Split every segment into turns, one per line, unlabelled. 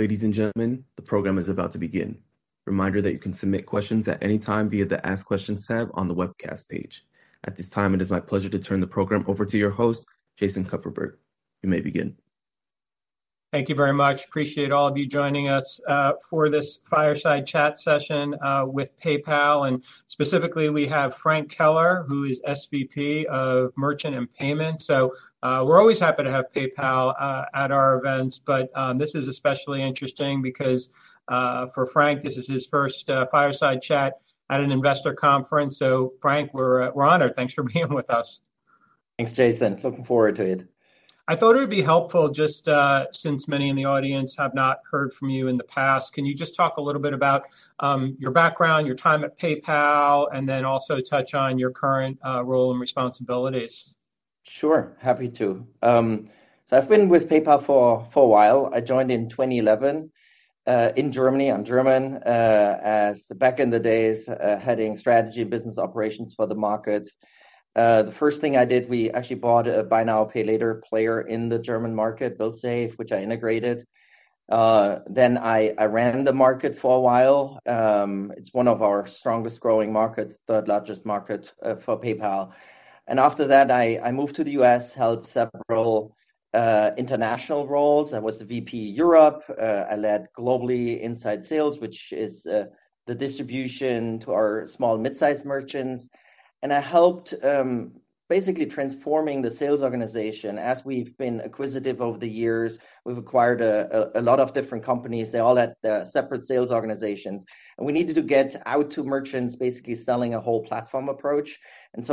Ladies and gentlemen, the program is about to begin. Reminder that you can submit questions at any time via the Ask Questions tab on the webcast page. At this time, it is my pleasure to turn the program over to your host, Jason Kupferberg. You may begin.
Thank you very much. Appreciate all of you joining us for this fireside chat session with PayPal. Specifically, we have Frank Keller, who is SVP of Merchant and Payment. We're always happy to have PayPal at our events, but this is especially interesting because for Frank, this is his first fireside chat at an investor conference. Frank, we're honored. Thanks for being with us.
Thanks, Jason. Looking forward to it.
I thought it would be helpful just, since many in the audience have not heard from you in the past, can you just talk a little bit about your background, your time at PayPal, and then also touch on your current role and responsibilities?
Sure. Happy to. I've been with PayPal for a while. I joined in 2011 in Germany. I'm German. As back in the days, heading strategy, business operations for the market. The first thing I did, we actually bought a buy now, pay later player in the German market, BillSafe, which I integrated. I ran the market for a while. It's one of our strongest growing markets, third largest market for PayPal. After that, I moved to the U.S., held several international roles. I was the VP Europe. I led globally inside sales, which is the distribution to our small and mid-sized merchants. I helped basically transforming the sales organization. As we've been acquisitive over the years, we've acquired a lot of different companies. They all had their separate sales organizations, we needed to get out to merchants basically selling a whole platform approach.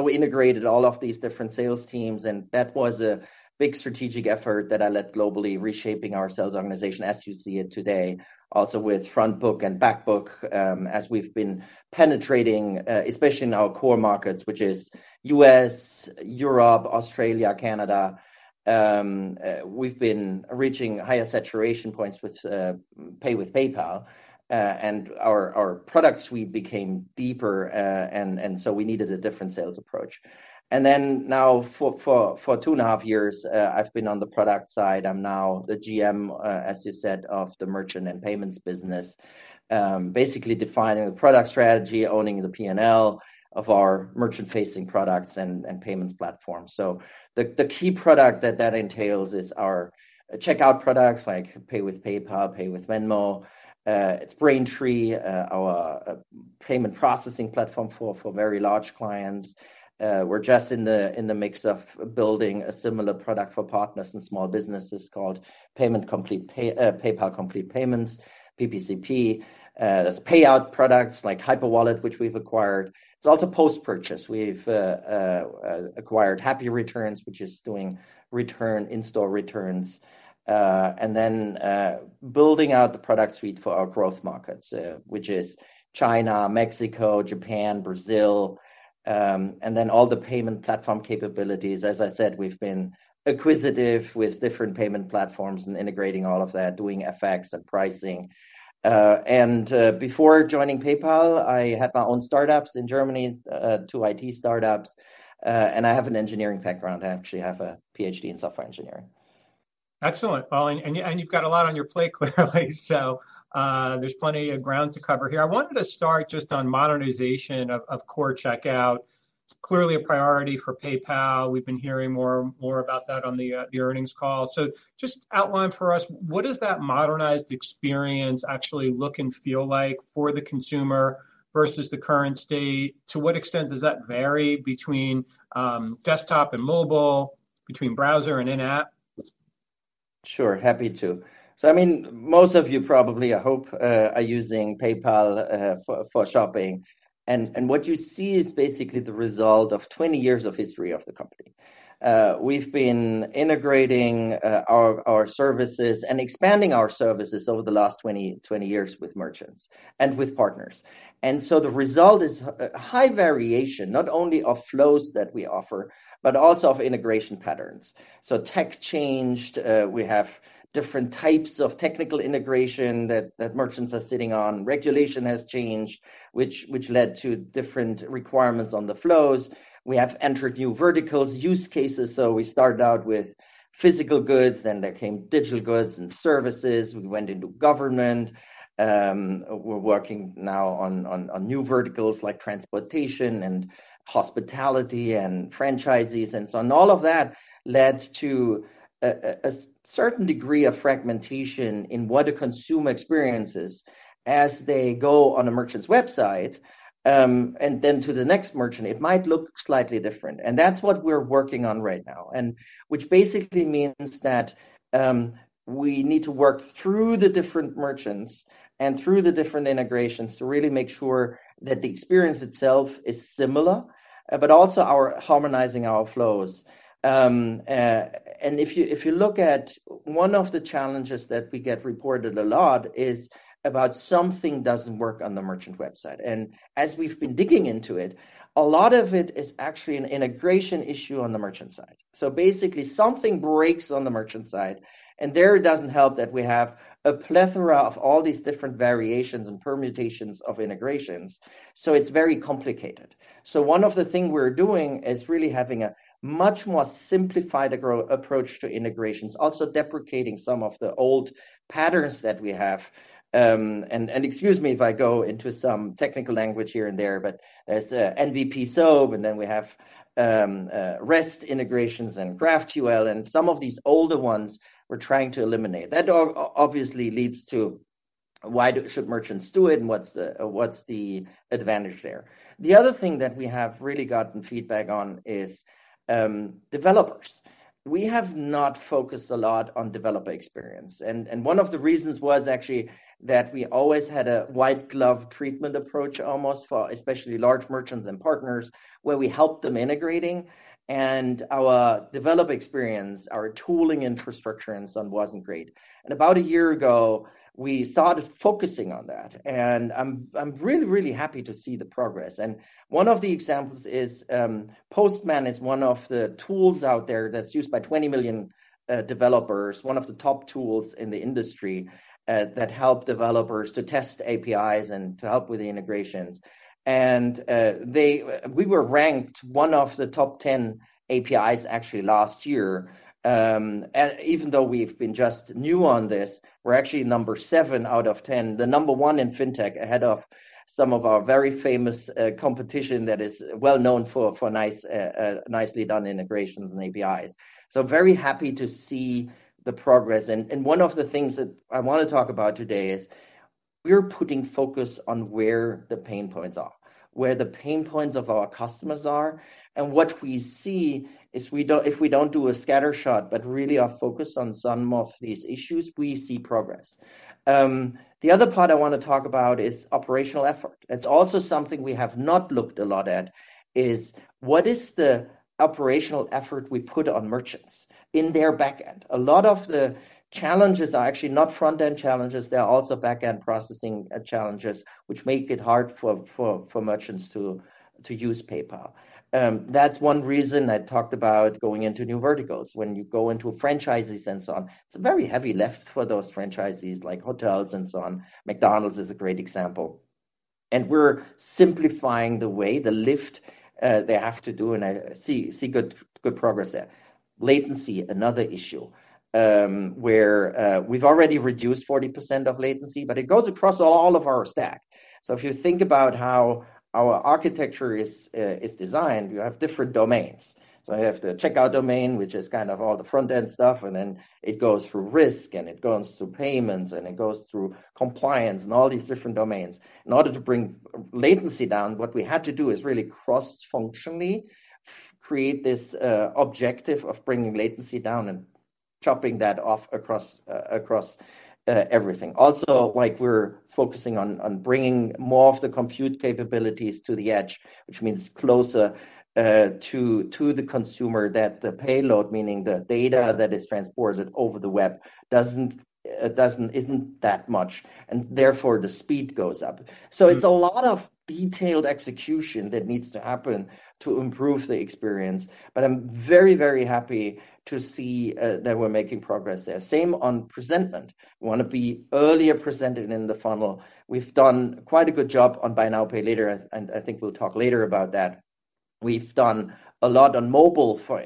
We integrated all of these different sales teams, and that was a big strategic effort that I led globally, reshaping our sales organization as you see it today. Also with front book and back book, as we've been penetrating, especially in our core markets, which is U.S., Europe, Australia, Canada, we've been reaching higher saturation points with Pay with PayPal. Our product suite became deeper, and we needed a different sales approach. Now for two and a half years, I've been on the product side. I'm now the GM, as you said, of the merchant and payments business, basically defining the product strategy, owning the P&L of our merchant-facing products and payments platform. The key product that entails is our checkout products like Pay with PayPal, Pay with Venmo. It's Braintree, our payment processing platform for very large clients. We're just in the mix of building a similar product for partners and small businesses called PayPal Complete Payments, PPCP. There's payout products like Hyperwallet, which we've acquired. It's also post-purchase. We've acquired Happy Returns, which is doing in-store returns. Building out the product suite for our growth markets, which is China, Mexico, Japan, Brazil, and then all the payment platform capabilities. As I said, we've been acquisitive with different payment platforms and integrating all of that, doing FX and pricing. Before joining PayPal, I had my own startups in Germany, two IT startups, and I have an engineering background. I actually have a PhD in software engineering.
Excellent. Well, you've got a lot on your plate clearly, so, there's plenty of ground to cover here. I wanted to start just on modernization of core checkout. Clearly a priority for PayPal. We've been hearing more about that on the earnings call. Just outline for us, what does that modernized experience actually look and feel like for the consumer versus the current state? To what extent does that vary between, desktop and mobile, between browser and in-app?
Sure. Happy to. I mean, most of you probably, I hope, are using PayPal for shopping. And what you see is basically the result of 20 years of history of the company. We've been integrating our services and expanding our services over the last 20 years with merchants and with partners. The result is a high variation, not only of flows that we offer, but also of integration patterns. Tech changed. We have different types of technical integration that merchants are sitting on. Regulation has changed, which led to different requirements on the flows. We have entered new verticals, use cases. We started out with physical goods, then there came digital goods and services. We went into government. We're working now on new verticals like transportation and hospitality and franchisees. All of that led to a certain degree of fragmentation in what a consumer experiences as they go on a merchant's website, to the next merchant, it might look slightly different. That's what we're working on right now. Which basically means that we need to work through the different merchants and through the different integrations to really make sure that the experience itself is similar, but also harmonizing our flows. If you look at one of the challenges that we get reported a lot is about something doesn't work on the merchant website. As we've been digging into it, a lot of it is actually an integration issue on the merchant side. Basically, something breaks on the merchant side, and there it doesn't help that we have a plethora of all these different variations and permutations of integrations. It's very complicated. One of the thing we're doing is really having a much more simplified approach to integrations, also deprecating some of the old patterns that we have. And excuse me if I go into some technical language here and there, but there's NVP/SOAP, and then we have REST integrations and GraphQL, and some of these older ones we're trying to eliminate. That obviously leads to Why should merchants do it, and what's the advantage there? The other thing that we have really gotten feedback on is developers. We have not focused a lot on developer experience, and one of the reasons was actually that we always had a white glove treatment approach almost for especially large merchants and partners, where we helped them integrating. Our developer experience, our tooling infrastructure and so on wasn't great. About a year ago, we started focusing on that, and I'm really, really happy to see the progress. One of the examples is, Postman is one of the tools out there that's used by 20 million developers, one of the top tools in the industry, that help developers to test APIs and to help with the integrations. We were ranked one of the top 10 APIs actually last year, even though we've been just new on this, we're actually number seven out of 10. The number one in fintech ahead of some of our very famous competition that is well known for nicely done integrations and APIs. Very happy to see the progress. One of the things that I want to talk about today is we're putting focus on where the pain points of our customers are. What we see is if we don't do a scattershot, but really are focused on some of these issues, we see progress. The other part I want to talk about is operational effort. It's also something we have not looked a lot at, is what is the operational effort we put on merchants in their back end. A lot of the challenges are actually not front-end challenges, they are also backend processing challenges, which make it hard for merchants to use PayPal. That's one reason I talked about going into new verticals. When you go into franchises and so on, it's a very heavy lift for those franchisees, like hotels and so on. McDonald's is a great example. We're simplifying the way, the lift they have to do, and I see good progress there. Latency, another issue, where we've already reduced 40% of latency, but it goes across all of our stack. If you think about how our architecture is designed, you have different domains. I have the checkout domain, which is kind of all the front-end stuff, and then it goes through risk, and it goes through payments, and it goes through compliance and all these different domains. In order to bring latency down, what we had to do is really cross-functionally create this objective of bringing latency down and chopping that off across across everything. Like we're focusing on bringing more of the compute capabilities to the edge, which means closer to the consumer that the payload, meaning the data that is transported over the web doesn't isn't that much, and therefore the speed goes up. It's a lot of detailed execution that needs to happen to improve the experience, but I'm very, very happy to see that we're making progress there. Same on presentment. We wanna be earlier presented in the funnel. We've done quite a good job on buy now, pay later, and I think we'll talk later about that. We've done a lot on mobile, for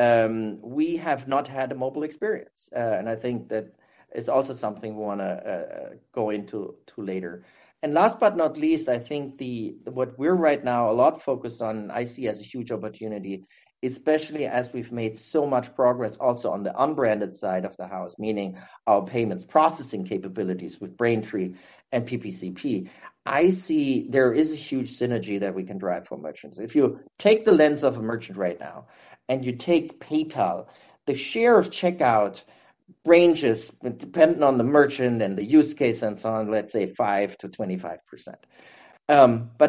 instance. We have not had a mobile experience, and I think that is also something we wanna go into later. Last but not least, I think what we're right now a lot focused on, I see as a huge opportunity, especially as we've made so much progress also on the unbranded side of the house, meaning our payments processing capabilities with Braintree and PPCP. I see there is a huge synergy that we can drive for merchants. If you take the lens of a merchant right now and you take PayPal, the share of checkout ranges dependent on the merchant and the use case and so on, let's say 5%-25%.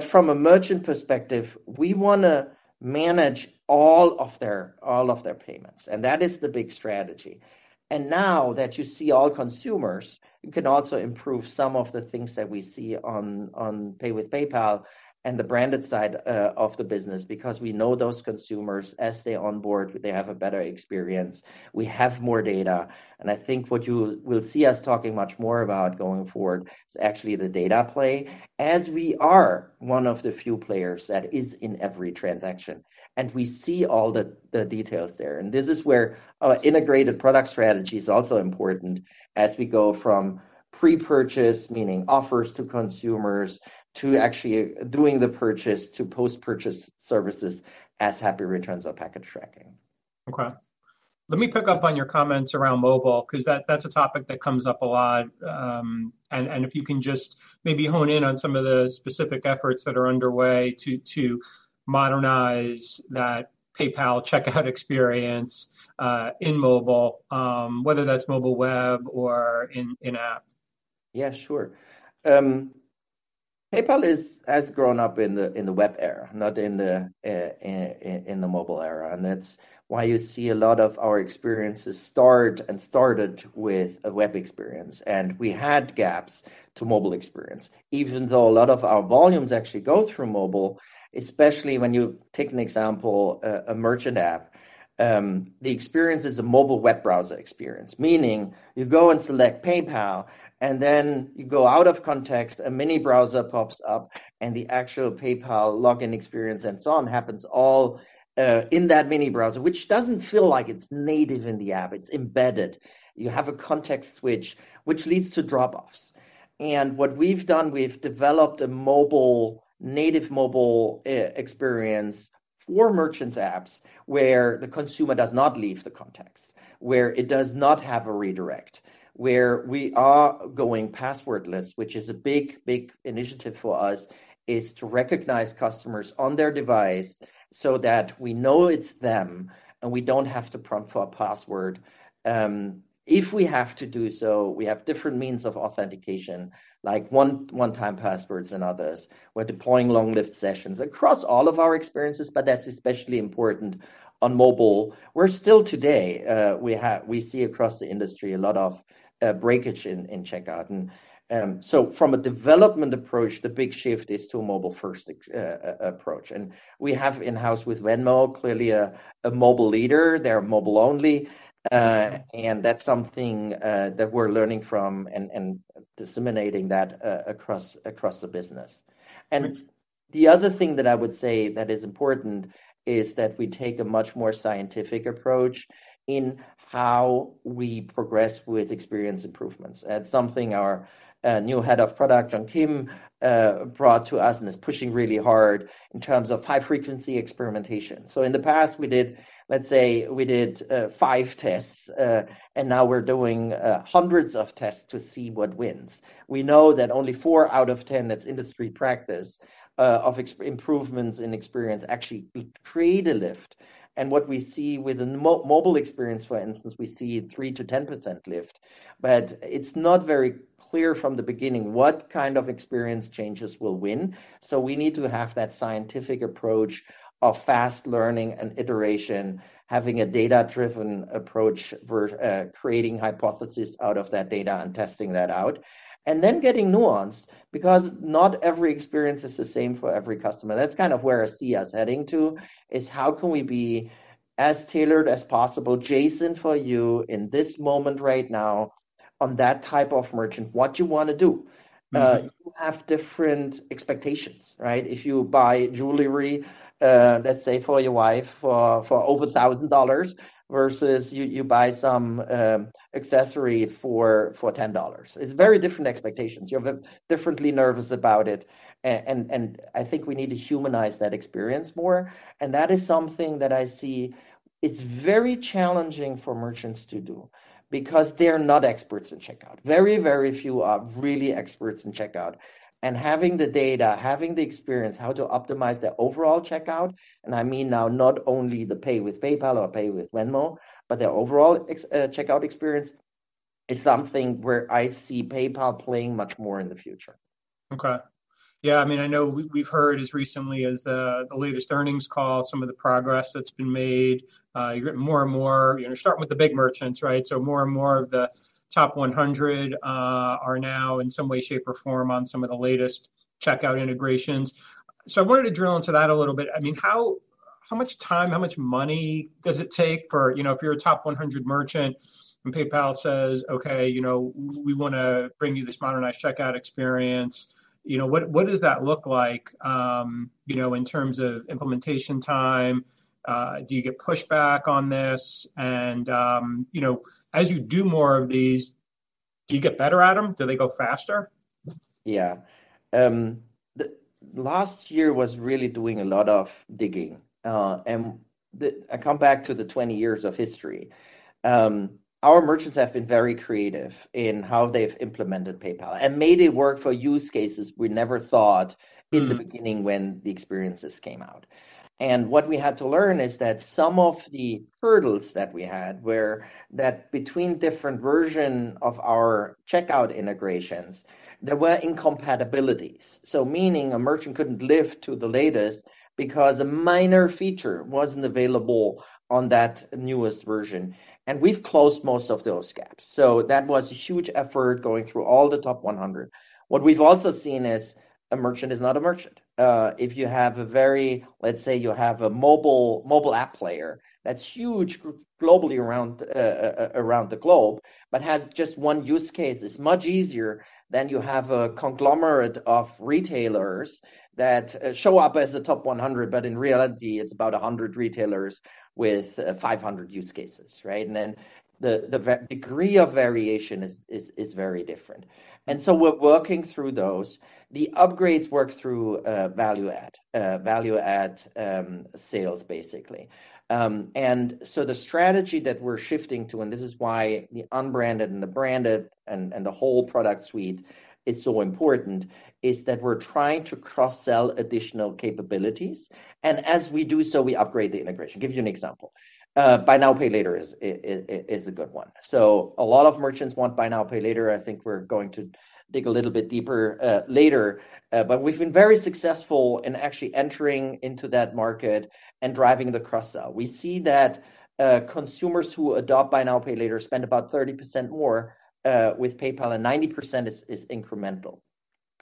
From a merchant perspective, we wanna manage all of their payments, and that is the big strategy. Now that you see all consumers, you can also improve some of the things that we see on Pay with PayPal and the branded side of the business, because we know those consumers as they onboard, they have a better experience. We have more data. I think what you will see us talking much more about going forward is actually the data play, as we are one of the few players that is in every transaction, and we see all the details there. This is where our integrated product strategy is also important as we go from pre-purchase, meaning offers to consumers, to actually doing the purchase, to post-purchase services as Happy Returns or package tracking.
Okay. Let me pick up on your comments around mobile, 'cause that's a topic that comes up a lot. If you can just maybe hone in on some of the specific efforts that are underway to modernize that PayPal checkout experience in mobile, whether that's mobile web or in app.
Yeah, sure. PayPal has grown up in the web era, not in the mobile era, That's why you see a lot of our experiences start and started with a web experience. We had gaps to mobile experience. Even though a lot of our volumes actually go through mobile, especially when you take an example, a merchant app, the experience is a mobile web browser experience, meaning you go and select PayPal, you go out of context, a mini browser pops up, the actual PayPal login experience and so on happens all in that mini browser, which doesn't feel like it's native in the app. It's embedded. You have a context switch, which leads to drop-offs. What we've done, we've developed a native mobile experience for merchants' apps where the consumer does not leave the context, where it does not have a redirect, where we are going passwordless, which is a big, big initiative for us, is to recognize customers on their device so that we know it's them, and we don't have to prompt for a password. If we have to do so, we have different means of authentication, like one-time passwords and others. We're deploying long-lived sessions across all of our experiences, but that's especially important on mobile, where still today, we see across the industry a lot of breakage in checkout. From a development approach, the big shift is to a mobile-first approach. We have in-house with Venmo, clearly a mobile leader. They're mobile only. That's something that we're learning from and disseminating that across the business. The other thing that I would say that is important is that we take a much more scientific approach in how we progress with experience improvements. That's something our new Head of Product, John Kim, brought to us and is pushing really hard in terms of high-frequency experimentation. In the past, we did, let's say, we did five tests, and now we're doing hundreds of tests to see what wins. We know that only four out of 10, that's industry practice, of improvements in experience actually create a lift. What we see with the mobile experience, for instance, we see 3% to 10% lift. It's not very clear from the beginning what kind of experience changes will win. We need to have that scientific approach of fast learning and iteration, having a data-driven approach creating hypothesis out of that data and testing that out. Then getting nuanced because not every experience is the same for every customer. That's kind of where I see us heading to, is how can we be as tailored as possible, Jason, for you in this moment right now on that type of merchant, what you wanna do.
Mm-hmm.
You have different expectations, right? If you buy jewelry, let's say for your wife for over $1,000 versus you buy some accessory for $10. It's very different expectations. You're differently nervous about it, and I think we need to humanize that experience more, and that is something that I see it's very challenging for merchants to do because they're not experts in checkout. Very few are really experts in checkout. Having the data, having the experience how to optimize their overall checkout, and I mean now not only the pay with PayPal or pay with Venmo, but their overall checkout experience is something where I see PayPal playing much more in the future.
Okay. Yeah, I mean, I know we've heard as recently as the latest earnings call some of the progress that's been made. You're getting more and more, you know, starting with the big merchants, right? More and more of the top 100 are now in some way, shape, or form on some of the latest checkout integrations. I wanted to drill into that a little bit. I mean, how much time, how much money does it take for, you know, if you're a top 100 merchant and PayPal says, "Okay, you know, we wanna bring you this modernized checkout experience," you know, what does that look like, you know, in terms of implementation time? Do you get pushback on this? You know, as you do more of these, do you get better at them? Do they go faster?
Yeah. The last year was really doing a lot of digging. I come back to the 20 years of history. Our merchants have been very creative in how they've implemented PayPal and made it work for use cases we never thought-
Mm.
In the beginning when the experiences came out. What we had to learn is that some of the hurdles that we had were that between different version of our checkout integrations, there were incompatibilities. Meaning a merchant couldn't lift to the latest because a minor feature wasn't available on that newest version. We've closed most of those gaps. That was a huge effort going through all the top 100. What we've also seen is a merchant is not a merchant. If you have a let's say you have a mobile app player that's huge globally around the globe, but has just one use case. It's much easier than you have a conglomerate of retailers that show up as the top 100, but in reality, it's about 100 retailers with 500 use cases, right? The degree of variation is very different. We're working through those. The upgrades work through value add sales basically. The strategy that we're shifting to, and this is why the unbranded and the branded and the whole product suite is so important, is that we're trying to cross-sell additional capabilities, and as we do so, we upgrade the integration. Give you an example. Buy now, pay later is a good one. A lot of merchants want buy now, pay later. I think we're going to dig a little bit deeper later. We've been very successful in actually entering into that market and driving the cross-sell. We see that consumers who adopt buy now, pay later spend about 30% more with PayPal, and 90% is incremental.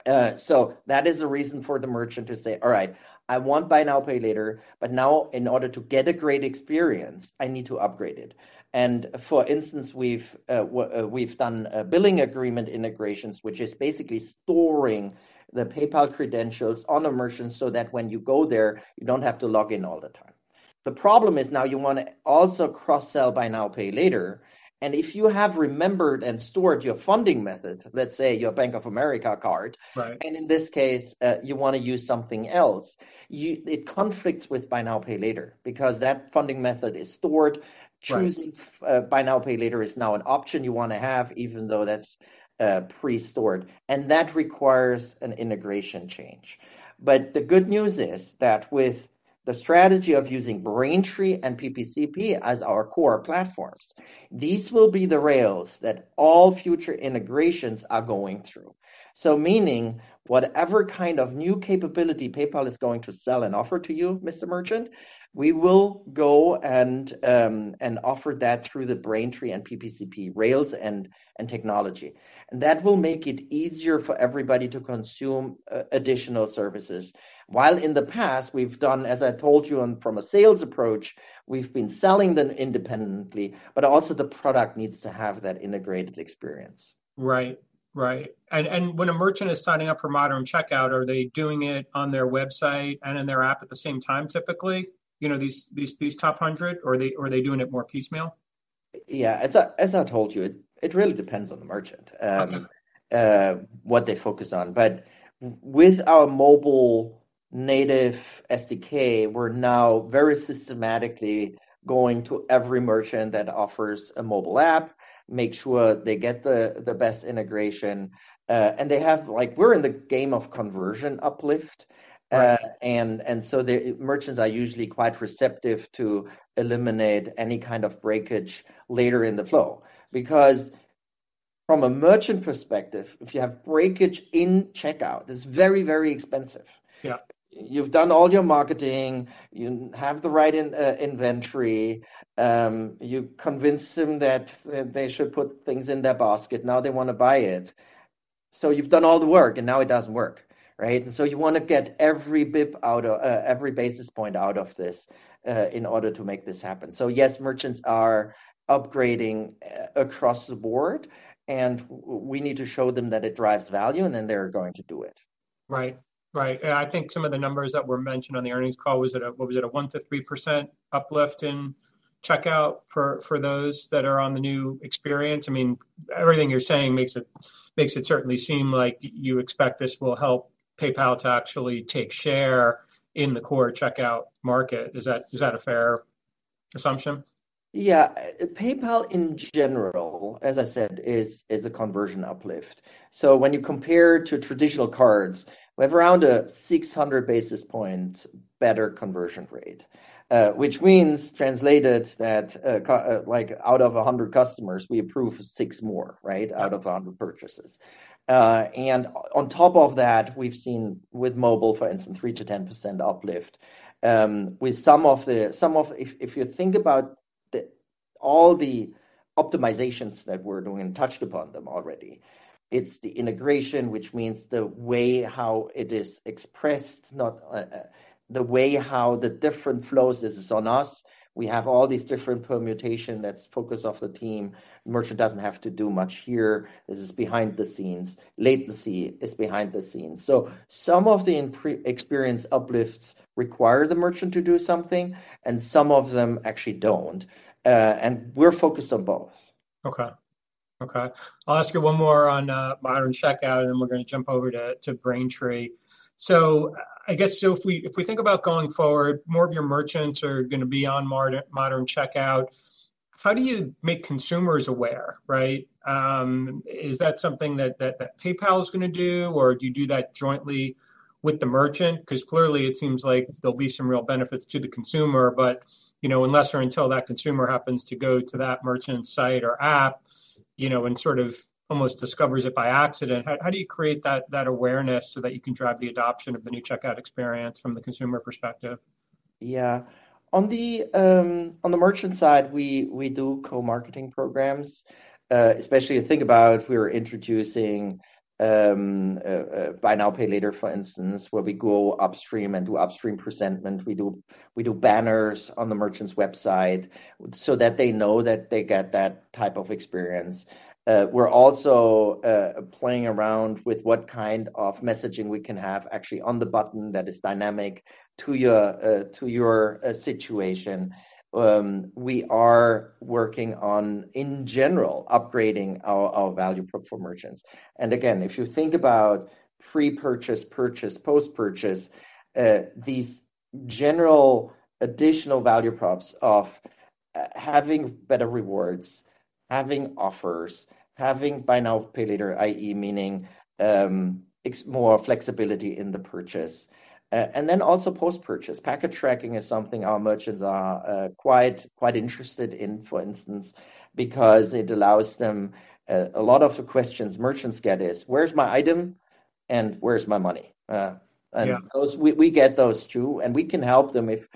That is a reason for the merchant to say, "All right. I want buy now, pay later, but now in order to get a great experience, I need to upgrade it." For instance, we've done billing agreement integrations, which is basically storing the PayPal credentials on a merchant so that when you go there, you don't have to log in all the time. The problem is now you wanna also cross-sell buy now, pay later. If you have remembered and stored your funding method, let's say your Bank of America card-
Right...
and in this case, you wanna use something else, it conflicts with buy now, pay later because that funding method is stored.
Right.
Choosing buy now, pay later is now an option you wanna have, even though that's pre-stored, and that requires an integration change. The good news is that with the strategy of using Braintree and PPCP as our core platforms, these will be the rails that all future integrations are going through. Meaning whatever kind of new capability PayPal is going to sell and offer to you, Mr. Merchant, we will go and offer that through the Braintree and PPCP rails and technology. That will make it easier for everybody to consume additional services. While in the past we've done, as I told you from a sales approach, we've been selling them independently, but also the product needs to have that integrated experience.
Right. Right. When a merchant is signing up for Modern Checkout, are they doing it on their website and in their app at the same time typically, you know, these top 100, or are they doing it more piecemeal?
Yeah. As I told you, it really depends on the merchant.
Okay...
what they focus on. With our mobile native SDK, we're now very systematically going to every merchant that offers a mobile app, make sure they get the best integration. Like, we're in the game of conversion uplift.
Right.
The merchants are usually quite receptive to eliminate any kind of breakage later in the flow. From a merchant perspective, if you have breakage in checkout, it's very, very expensive.
Yeah.
You've done all your marketing, you have the right in inventory, you convince them that they should put things in their basket, now they wanna buy it. You've done all the work, now it doesn't work, right? You wanna get every basis point out of this in order to make this happen. Yes, merchants are upgrading across the board, we need to show them that it drives value, then they're going to do it.
Right. Right. I think some of the numbers that were mentioned on the earnings call, was it a 1%-3% uplift in checkout for those that are on the new experience? I mean, everything you're saying makes it certainly seem like you expect this will help PayPal to actually take share in the core checkout market. Is that a fair assumption?
PayPal in general, as I said, is a conversion uplift. When you compare to traditional cards, we have around a 600 basis point better conversion rate. Which means translated that, like out of 100 customers, we approve six more, right? Out of 100 purchases. On top of that, we've seen with mobile, for instance, 3%-10% uplift. With some of the, If you think about the, all the optimizations that we're doing, touched upon them already, it's the integration, which means the way how it is expressed, not the way how the different flows is on us. We have all these different permutations that's focus of the team. Merchant doesn't have to do much here. This is behind the scenes. Latency is behind the scenes. Some of the experience uplifts require the merchant to do something, and some of them actually don't. And we're focused on both.
Okay. Okay. I'll ask you one more on Modern Checkout, and then we're gonna jump over to Braintree. I guess, if we think about going forward, more of your merchants are gonna be on Modern Checkout. How do you make consumers aware, right? Is that something that PayPal is gonna do, or do you do that jointly with the merchant? 'Cause clearly it seems like there'll be some real benefits to the consumer, but, you know, unless or until that consumer happens to go to that merchant site or app, you know, and sort of almost discovers it by accident, how do you create that awareness so that you can drive the adoption of the new checkout experience from the consumer perspective?
On the merchant side, we do co-marketing programs, especially if you think about if we were introducing a buy now, pay later, for instance, where we go upstream and do upstream presentment. We do banners on the merchant's website so that they know that they get that type of experience. We're also playing around with what kind of messaging we can have actually on the button that is dynamic to your to your situation. We are working on, in general, upgrading our value prop for merchants. Again, if you think about pre-purchase, purchase, post-purchase, these general additional value props of having better rewards, having offers, having buy now, pay later, i.e. meaning more flexibility in the purchase. Then also post-purchase. Package tracking is something our merchants are quite interested in, for instance, because it allows them... A lot of the questions merchants get is, "Where's my item?" and, "Where's my money?
Yeah
We get those too. We can help them. If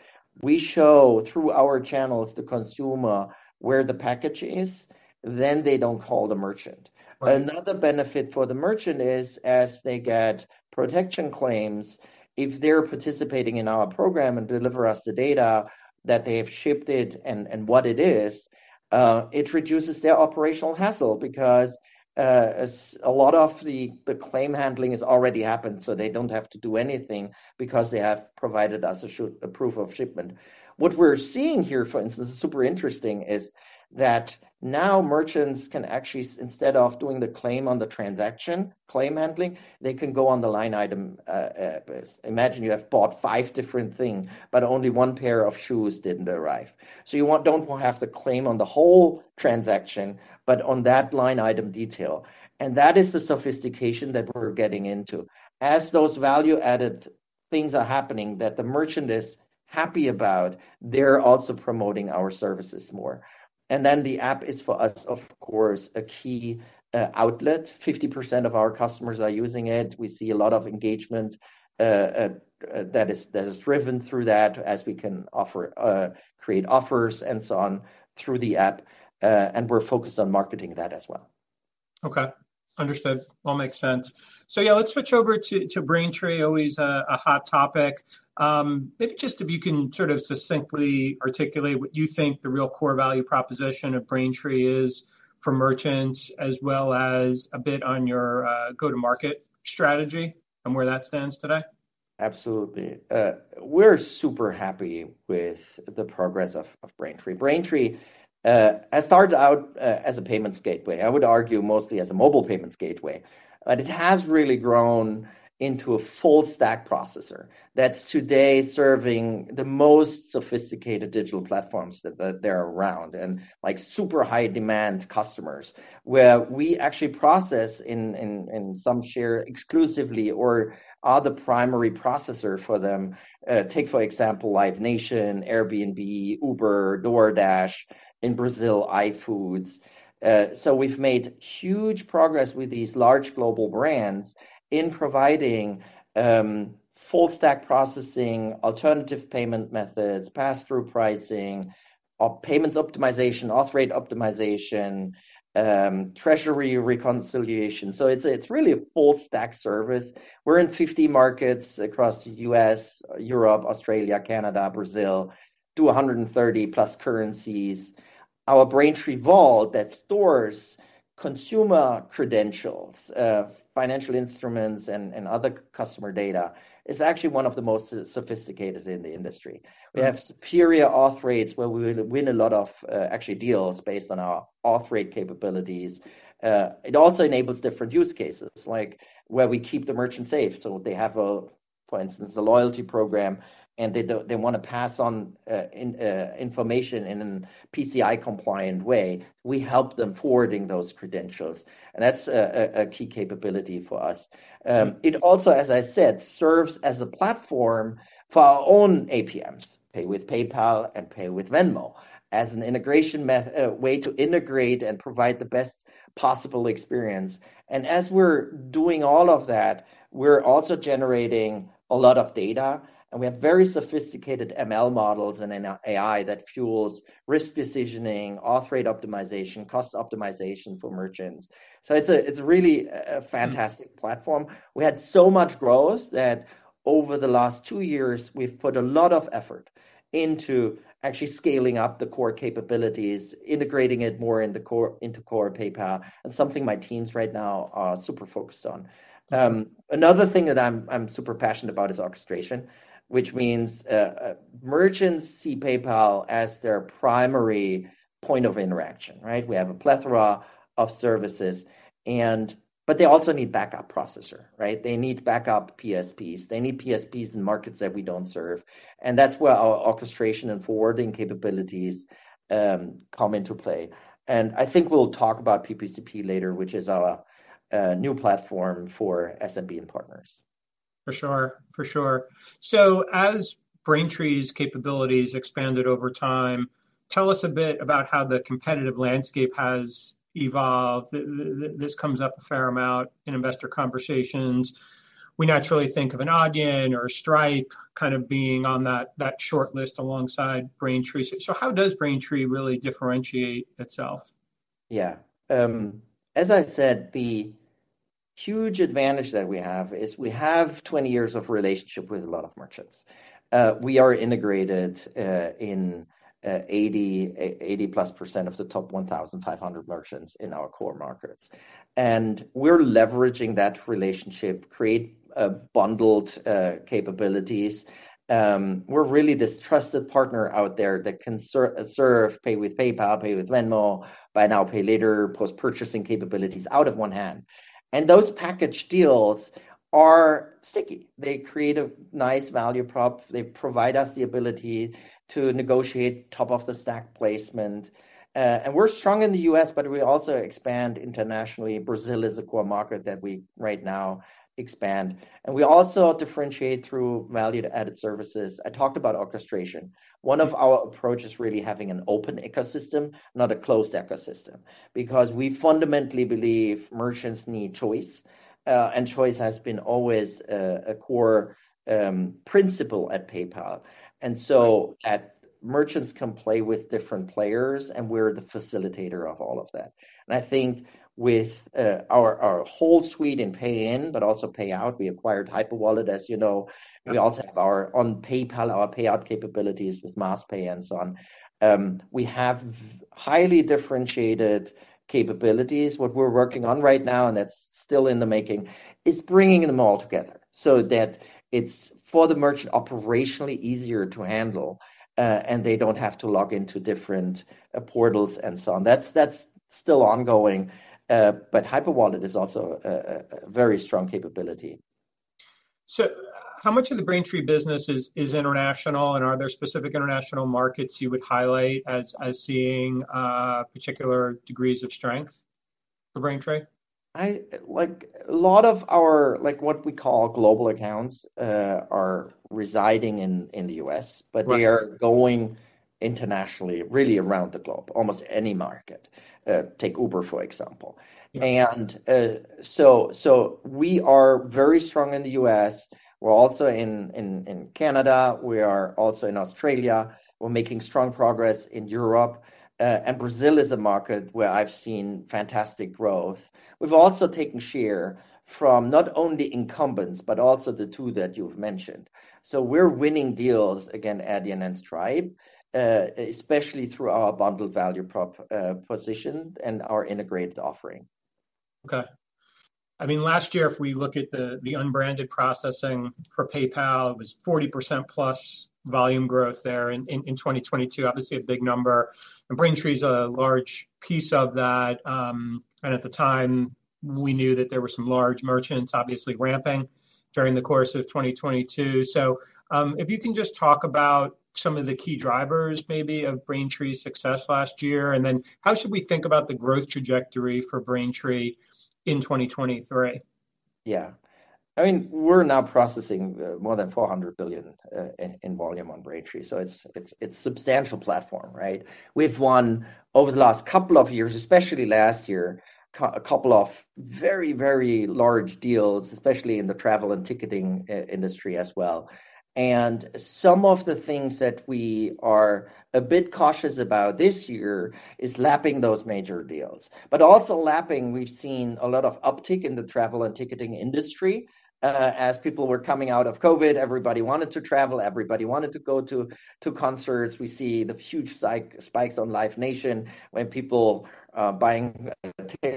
we show through our channels the consumer where the package is, they don't call the merchant.
Right.
Another benefit for the merchant is as they get protection claims, if they're participating in our program and deliver us the data that they have shipped it and what it is, it reduces their operational hassle because a lot of the claim handling has already happened, so they don't have to do anything because they have provided us a proof of shipment. What we're seeing here, for instance, super interesting, is that now merchants can actually, instead of doing the claim on the transaction claim handling, they can go on the line item, imagine you have bought five different thing, but only one pair of shoes didn't arrive. So you don't have the claim on the whole transaction, but on that line item detail. That is the sophistication that we're getting into. As those value-added things are happening that the merchant is happy about, they're also promoting our services more. The app is for us, of course, a key outlet. 50% of our customers are using it. We see a lot of engagement that is driven through that as we can offer, create offers and so on through the app. We're focused on marketing that as well.
Understood. All makes sense. Yeah, let's switch over to Braintree, always a hot topic. Maybe just if you can sort of succinctly articulate what you think the real core value proposition of Braintree is for merchants as well as a bit on your go-to-market strategy and where that stands today.
Absolutely. We're super happy with the progress of Braintree. Braintree has started out as a payments gateway. I would argue mostly as a mobile payments gateway. It has really grown into a full stack processor that's today serving the most sophisticated digital platforms that there are around, and like super high demand customers, where we actually process in some share exclusively or are the primary processor for them. Take for example, Live Nation, Airbnb, Uber, DoorDash, in Brazil, iFood. We've made huge progress with these large global brands in providing full stack processing, alternative payment methods, passthrough pricing, payments optimization, auth rate optimization, treasury reconciliation. It's really a full stack service. We're in 50 markets across U.S., Europe, Australia, Canada, Brazil, to 130+ currencies. Our Braintree Vault that stores consumer credentials, financial instruments and other customer data is actually one of the most sophisticated in the industry.
Yeah.
We have superior auth rates where we win a lot of, actually deals based on our auth rate capabilities. It also enables different use cases like where we keep the merchant safe. So they have a, for instance, a loyalty program, and they wanna pass on information in a PCI compliant way. We help them forwarding those credentials, and that's a key capability for us. It also, as I said, serves as a platform for our own APMs, Pay with PayPal and Pay with Venmo, as an integration way to integrate and provide the best possible experience. As we're doing all of that, we're also generating a lot of data, and we have very sophisticated ML models and an AI that fuels risk decisioning, auth rate optimization, cost optimization for merchants. It's really a fantastic platform. We had so much growth that over the last two years, we've put a lot of effort into actually scaling up the core capabilities, integrating it more into core PayPal, and something my teams right now are super focused on. Another thing that I'm super passionate about is orchestration, which means merchants see PayPal as their primary point of interaction, right? We have a plethora of services and... but they also need backup processor, right? They need backup PSPs. They need PSPs in markets that we don't serve. That's where our orchestration and forwarding capabilities come into play. I think we'll talk about PPCP later, which is our new platform for SMB and partners.
For sure. For sure. As Braintree's capabilities expanded over time, tell us a bit about how the competitive landscape has evolved. This comes up a fair amount in investor conversations. We naturally think of an Adyen or a Stripe kind of being on that shortlist alongside Braintree. How does Braintree really differentiate itself?
Yeah. As I said, the huge advantage that we have is we have 20 years of relationship with a lot of merchants. We are integrated in 80+% of the top 1,500 merchants in our core markets. We're leveraging that relationship, create bundled capabilities. We're really this trusted partner out there that can serve, pay with PayPal, pay with Venmo, buy now, pay later, post-purchasing capabilities out of one hand. Those package deals are sticky. They create a nice value prop. They provide us the ability to negotiate top of the stack placement. We're strong in the U.S., but we also expand internationally. Brazil is a core market that we right now expand. We also differentiate through value-added services. I talked about orchestration. One of our approach is really having an open ecosystem, not a closed ecosystem, because we fundamentally believe merchants need choice. Choice has been always a core principle at PayPal. Merchants can play with different players, and we're the facilitator of all of that. I think with our whole suite in pay in but also pay out, we acquired Hyperwallet, as you know. We also have our own PayPal, our payout capabilities with MassPay and so on. We have highly differentiated capabilities. What we're working on right now, and that's still in the making, is bringing them all together so that it's for the merchant operationally easier to handle, and they don't have to log into different portals and so on. That's, that's still ongoing. Hyperwallet is also a very strong capability.
How much of the Braintree business is international, and are there specific international markets you would highlight as seeing particular degrees of strength for Braintree?
Like, a lot of our, like what we call global accounts, are residing in the U.S.
Right.
They are going internationally, really around the globe, almost any market. Take Uber, for example.
Yeah.
We are very strong in the U.S. We're also in Canada. We are also in Australia. We're making strong progress in Europe. Brazil is a market where I've seen fantastic growth. We've also taken share from not only incumbents, but also the two that you've mentioned. We're winning deals against Adyen and Stripe, especially through our bundled value prop, position and our integrated offering.
Okay. I mean, last year, if we look at the unbranded processing for PayPal, it was 40% plus volume growth there in 2022, obviously a big number. Braintree is a large piece of that. At the time, we knew that there were some large merchants obviously ramping during the course of 2022. If you can just talk about some of the key drivers maybe of Braintree's success last year, and then how should we think about the growth trajectory for Braintree in 2023?
Yeah. I mean, we're now processing more than $400 billion in volume on Braintree, so it's substantial platform, right? We've won over the last couple of years, especially last year, couple of very large deals, especially in the travel and ticketing industry as well. Some of the things that we are a bit cautious about this year is lapping those major deals. Also lapping, we've seen a lot of uptick in the travel and ticketing industry. As people were coming out of COVID, everybody wanted to travel, everybody wanted to go to concerts. We see the huge spikes on Live Nation when people buying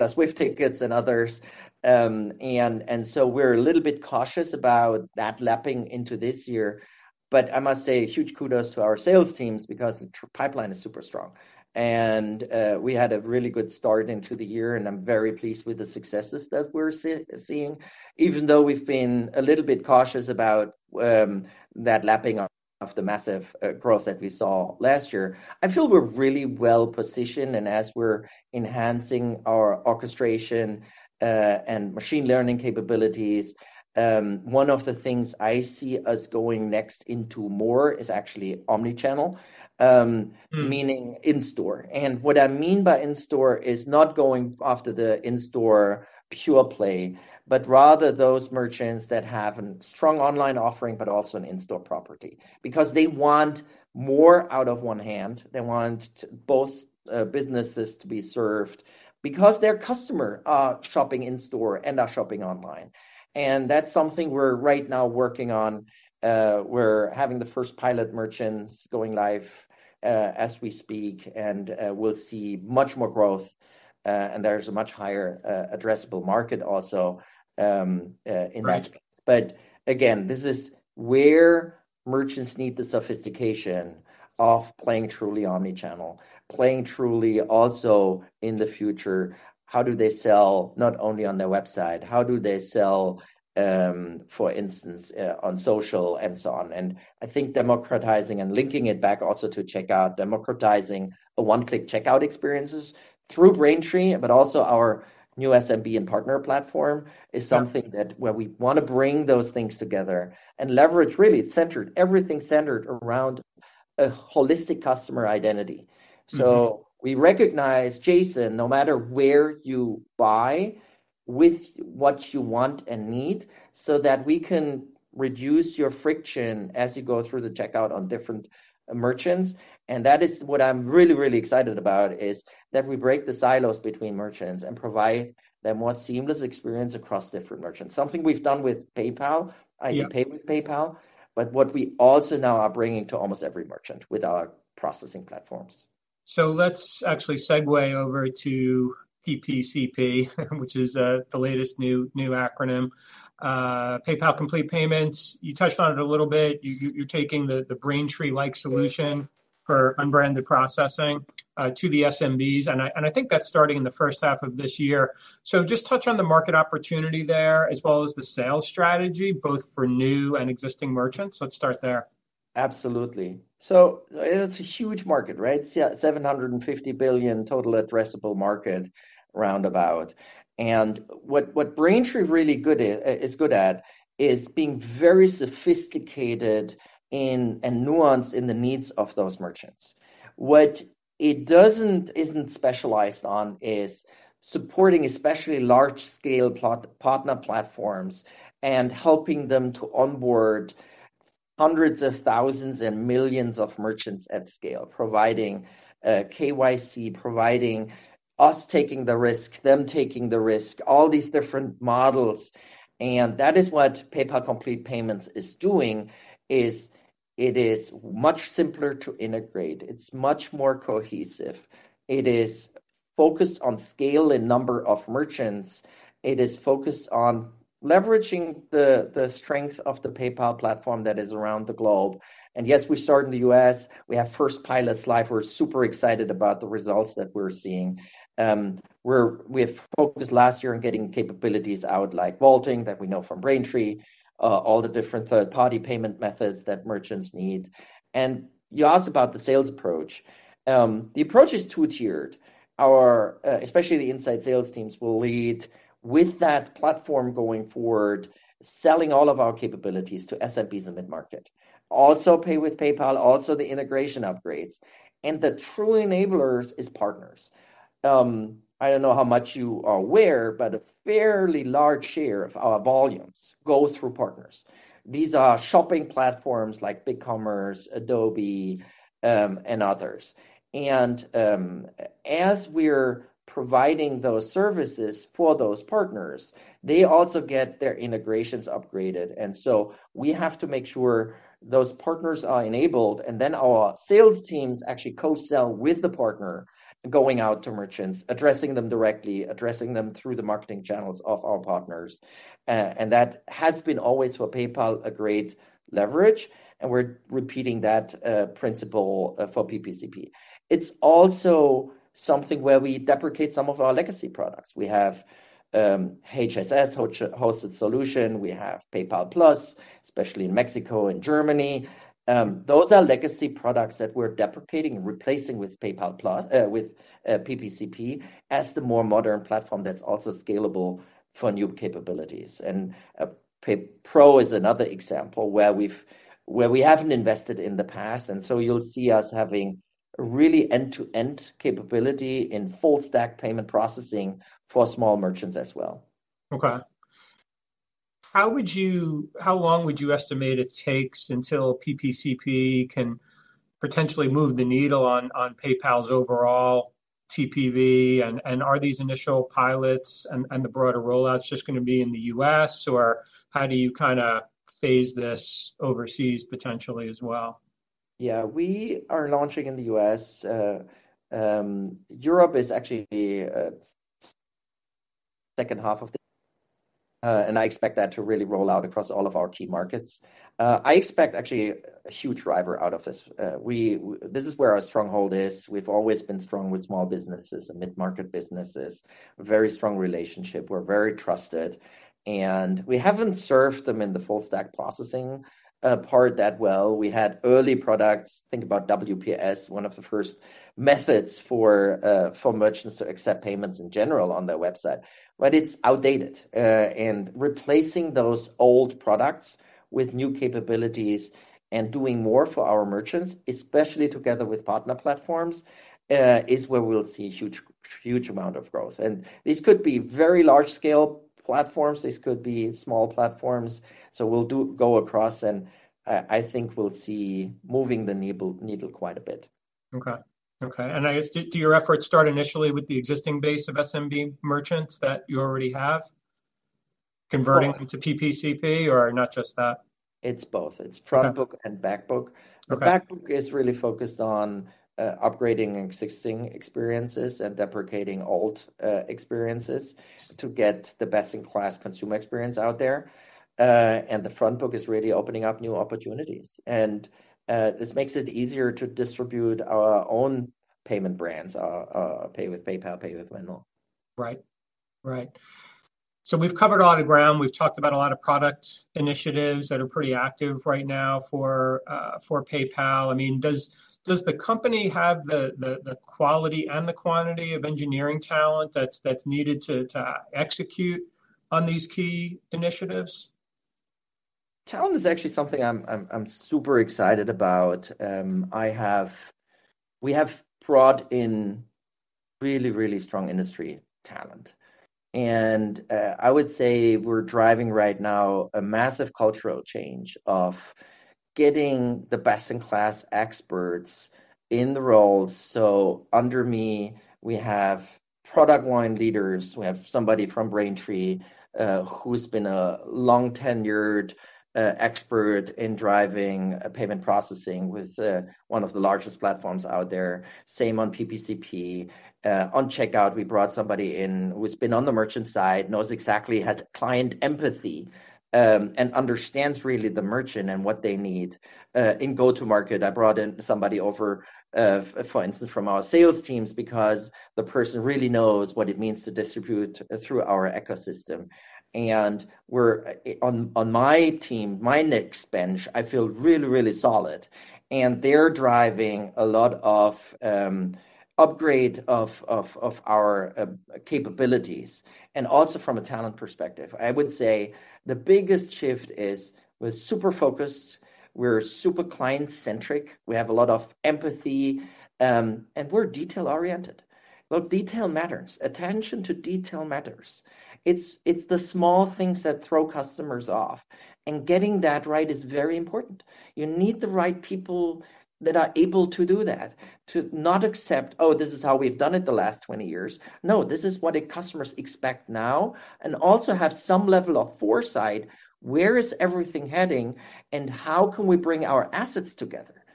Swift tickets and others. We're a little bit cautious about that lapping into this year. I must say huge kudos to our sales teams because the pipeline is super strong. We had a really good start into the year, and I'm very pleased with the successes that we're seeing. Even though we've been a little bit cautious about that lapping of the massive growth that we saw last year, I feel we're really well-positioned, and as we're enhancing our orchestration and machine learning capabilities, one of the things I see us going next into more is actually omni-channel.
Mm.
-meaning in store. What I mean by in store is not going after the in-store pure play, but rather those merchants that have an strong online offering but also an in-store property. They want more out of one hand, they want both, businesses to be served because their customer are shopping in store and are shopping online. That's something we're right now working on. We're having the first pilot merchants going live, as we speak, and, we'll see much more growth, and there's a much higher, addressable market also.
Right...
in that space. Again, this is where merchants need the sophistication of playing truly omni-channel, playing truly also in the future. How do they sell not only on their website? How do they sell, for instance, on social and so on? I think democratizing and linking it back also to checkout, democratizing a one-click checkout experiences through Braintree, but also our new SMB and partner platform is something that where we wanna bring those things together and leverage really it's centered, everything centered around a holistic customer identity.
Mm-hmm.
We recognize Jason, no matter where you buy with what you want and need so that we can reduce your friction as you go through the checkout on different merchants. That is what I'm really, really excited about is that we break the silos between merchants and provide the more seamless experience across different merchants. Something we've done with PayPal-
Yeah...
I can pay with PayPal, but what we also now are bringing to almost every merchant with our processing platforms.
Let's actually segue over to PPCP, which is the latest new acronym, PayPal Complete Payments. You touched on it a little bit. You're taking the Braintree-like.
Yes...
for unbranded processing, to the SMBs, and I think that's starting in the first half of this year. Just touch on the market opportunity there as well as the sales strategy, both for new and existing merchants. Let's start there.
Absolutely. It's a huge market, right? It's $750 billion total addressable market roundabout. What Braintree really good at is being very sophisticated in, and nuanced in the needs of those merchants. What it isn't specialized on is supporting, especially large scale partner platforms and helping them to onboard hundreds of thousands and millions of merchants at scale, providing KYC, providing us taking the risk, them taking the risk, all these different models. That is what PayPal Complete Payments is doing is it is much simpler to integrate. It's much more cohesive. It is focused on scale and number of merchants. It is focused on leveraging the strength of the PayPal platform that is around the globe. Yes, we start in the U.S. We have first pilots live. We're super excited about the results that we're seeing. We've focused last year on getting capabilities out, like vaulting that we know from Braintree, all the different third-party payment methods that merchants need. You asked about the sales approach. The approach is two-tiered. Our, especially the inside sales teams will lead with that platform going forward, selling all of our capabilities to SMBs and mid-market. Also pay with PayPal, also the integration upgrades. The true enablers is partners. I don't know how much you are aware, but a fairly large share of our volumes go through partners. These are shopping platforms like BigCommerce, Adobe, and others. As we're providing those services for those partners, they also get their integrations upgraded. We have to make sure those partners are enabled, and then our sales teams actually co-sell with the partner going out to merchants, addressing them directly, addressing them through the marketing channels of our partners. That has been always for PayPal, a great leverage, and we're repeating that principle for PPCP. It's also something where we deprecate some of our legacy products. We have HSS, hosted solution. We have PayPal Plus, especially in Mexico and Germany. Those are legacy products that we're deprecating and replacing with PPCP as the more modern platform that's also scalable for new capabilities. PayPal Pro is another example where we haven't invested in the past, you'll see us having really end-to-end capability in full stack payment processing for small merchants as well.
Okay. How long would you estimate it takes until PPCP can potentially move the needle on PayPal's overall TPV, and are these initial pilots and the broader roll-outs just gonna be in the U.S., or how do you kinda phase this overseas potentially as well?
Yeah. We are launching in the U.S. Europe is actually second half of the and I expect that to really roll out across all of our key markets. I expect actually a huge driver out of this. We this is where our stronghold is. We've always been strong with small businesses and mid-market businesses, a very strong relationship. We're very trusted, and we haven't served them in the full stack processing part that well. We had early products, think about WPS, one of the first methods for merchants to accept payments in general on their website, but it's outdated. And replacing those old products with new capabilities and doing more for our merchants, especially together with partner platforms, is where we'll see huge amount of growth. These could be very large-scale platforms. These could be small platforms. We'll go across, and I think we'll see moving the needle quite a bit.
Okay. I guess, do your efforts start initially with the existing base of SMB merchants that you already have converting.
Oh...
to PPCP, or not just that?
It's both.
Okay.
It's front book and back book.
Okay.
The back book is really focused on upgrading existing experiences and deprecating old experiences to get the best in class consumer experience out there. The front book is really opening up new opportunities. This makes it easier to distribute our own payment brands, pay with PayPal, pay with Venmo.
Right. Right. We've covered a lot of ground. We've talked about a lot of product initiatives that are pretty active right now for PayPal. I mean, does the company have the quality and the quantity of engineering talent that's needed to execute on these key initiatives?
Talent is actually something I'm super excited about. We have brought in really, really strong industry talent. I would say we're driving right now a massive cultural change of getting the best-in-class experts in the roles. Under me, we have product line leaders. We have somebody from Braintree, who's been a long-tenured expert in driving payment processing with one of the largest platforms out there. Same on PPCP. On checkout, we brought somebody in who's been on the merchant side, knows exactly, has client empathy, and understands really the merchant and what they need. In go-to-market, I brought in somebody over, for instance, from our sales teams because the person really knows what it means to distribute through our ecosystem. On my team, my next bench, I feel really solid, and they're driving a lot of upgrade of our capabilities. Also from a talent perspective, I would say the biggest shift is we're super focused, we're super client-centric, we have a lot of empathy, and we're detail-oriented. Look, detail matters. Attention to detail matters. It's the small things that throw customers off, and getting that right is very important. You need the right people that are able to do that, to not accept, "Oh, this is how we've done it the last 20 years." No, this is what the customers expect now, and also have some level of foresight, where is everything heading, and how can we bring our assets together?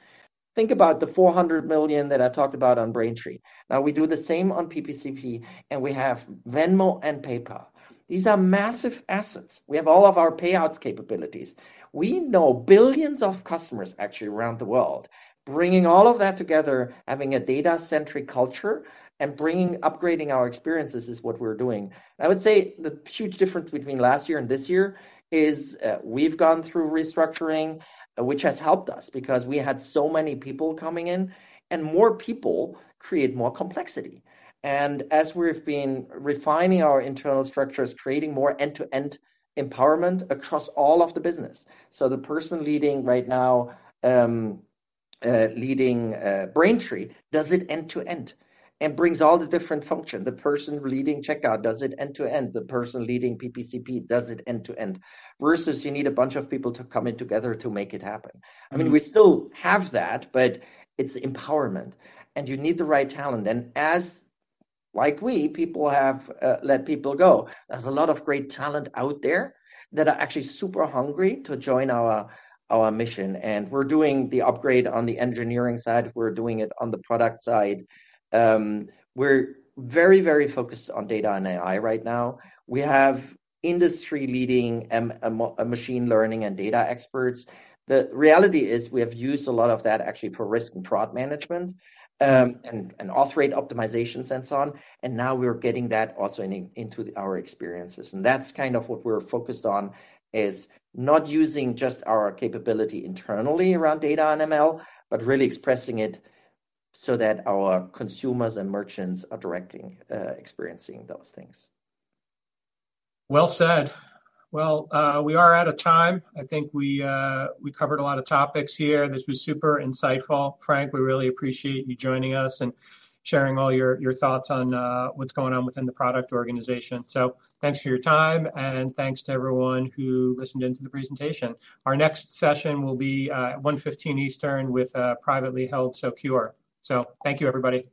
Think about the $400 million that I talked about on Braintree. We do the same on PPCP, and we have Venmo and PayPal. These are massive assets. We have all of our payouts capabilities. We know billions of customers actually around the world. Bringing all of that together, having a data-centric culture, and upgrading our experiences is what we're doing. I would say the huge difference between last year and this year is, we've gone through restructuring, which has helped us because we had so many people coming in, and more people create more complexity. As we've been refining our internal structures, creating more end-to-end empowerment across all of the business. The person leading right now, leading Braintree does it end to end and brings all the different function. The person leading checkout does it end to end. The person leading PPCP does it end to end. Versus you need a bunch of people to come in together to make it happen. I mean, we still have that, but it's empowerment, and you need the right talent. As, like we, people have let people go. There's a lot of great talent out there that are actually super hungry to join our mission. We're doing the upgrade on the engineering side. We're doing it on the product side. We're very, very focused on data and AI right now. We have industry-leading machine learning and data experts. The reality is we have used a lot of that actually for risk and fraud management, and auth rate optimization and so on. Now we're getting that also into our experiences. That's kind of what we're focused on, is not using just our capability internally around data and ML, but really expressing it so that our consumers and merchants are directly experiencing those things.
Well said. Well, we are out of time. I think we covered a lot of topics here. This was super insightful. Frank, we really appreciate you joining us and sharing all your thoughts on, what's going on within the product organization. Thanks for your time, and thanks to everyone who listened in to the presentation. Our next session will be at 1:15 P.M. Eastern with, privately held Socure. Thank you, everybody.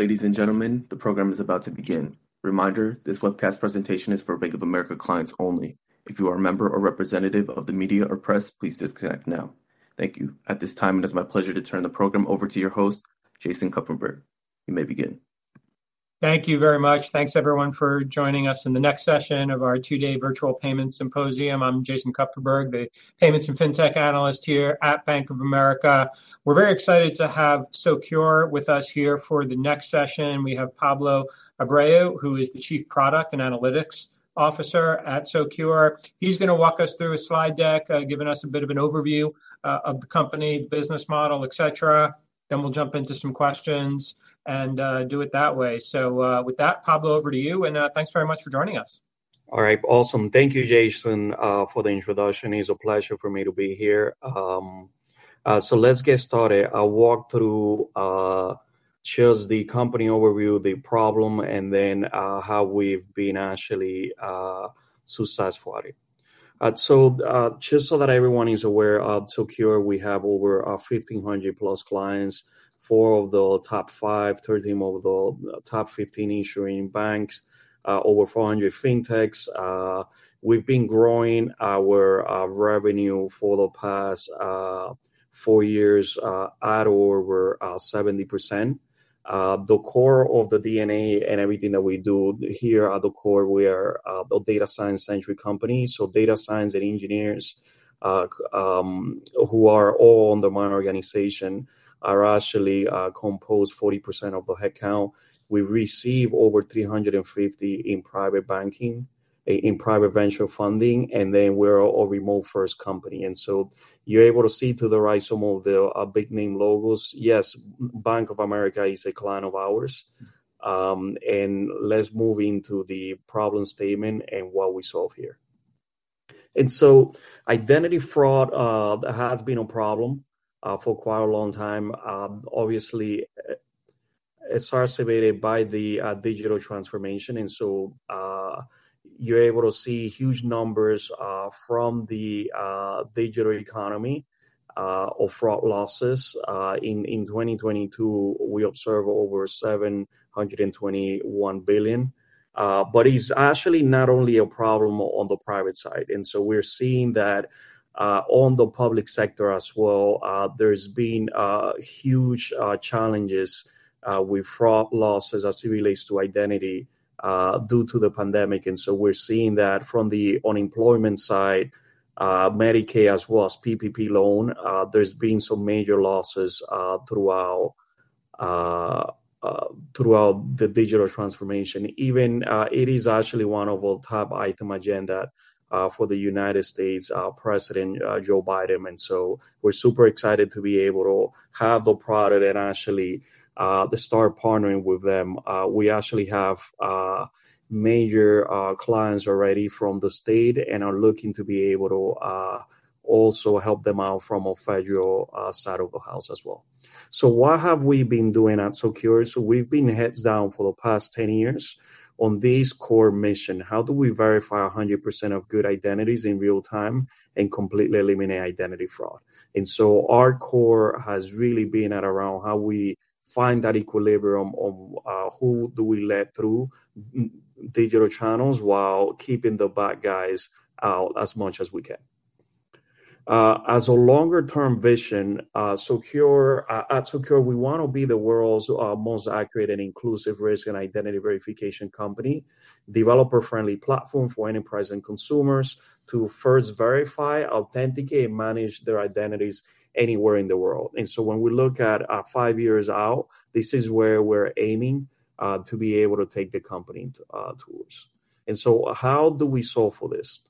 Ladies and gentlemen, the program is about to begin. Reminder, this webcast presentation is for Bank of America clients only. If you are a member or representative of the media or press, please disconnect now. Thank you. At this time, it is my pleasure to turn the program over to your host, Jason Kupferberg. You may begin.
Thank you very much. Thanks everyone for joining us in the next session of our two-day virtual payment symposium. I'm Jason Kupferberg, the payments and fintech analyst here at Bank of America. We're very excited to have Socure with us here for the next session. We have Pablo Abreu, who is the Chief Product and Analytics Officer at Socure. He's gonna walk us through a slide deck, giving us a bit of an overview of the company, business model, et cetera. Then we'll jump into some questions and do it that way. With that, Pablo, over to you, and thanks very much for joining us.
All right. Awesome. Thank you, Jason, for the introduction. It's a pleasure for me to be here. Let's get started. I'll walk through just the company overview, the problem, how we've been actually successful at it. Just so that everyone is aware of Socure, we have over 1,500+ clients, four of the top five, 13 of the top 15 issuing banks, over 400 fintechs. We've been growing our revenue for the past four years at over 70%. The core of the DNA and everything that we do here at the core, we are a data science-centric company. Data science and engineers who are all under my organization are actually composed 40% of the headcount. We receive over $350 in private banking, in private venture funding, and then we're a remote-first company. You're able to see to the right some of the big name logos. Yes, Bank of America is a client of ours. Let's move into the problem statement and what we solve here. Identity fraud has been a problem for quite a long time, obviously exacerbated by the digital transformation. You're able to see huge numbers from the digital economy of fraud losses. In 2022, we observe over $721 billion. It's actually not only a problem on the private side. We're seeing that on the public sector as well. There's been huge challenges with fraud losses as it relates to identity due to the pandemic. We're seeing that from the unemployment side, Medicaid as well as PPP loan, there's been some major losses throughout the digital transformation. Even, it is actually one of the top item agenda for the U.S. President Joe Biden. We're super excited to be able to have the product and actually to start partnering with them. We actually have major clients already from the state and are looking to be able to also help them out from a federal side of the house as well. What have we been doing at Socure? We've been heads down for the past 10 years on this core mission. How do we verify 100% of good identities in real time and completely eliminate identity fraud? Our core has really been at around how we find that equilibrium of who do we let through digital channels while keeping the bad guys out as much as we can. As a longer-term vision, at Socure, we want to be the world's most accurate and inclusive risk and identity verification company, developer-friendly platform for enterprise and consumers to first verify, authenticate, and manage their identities anywhere in the world. When we look at five years out, this is where we're aiming to be able to take the company towards. How do we solve for this?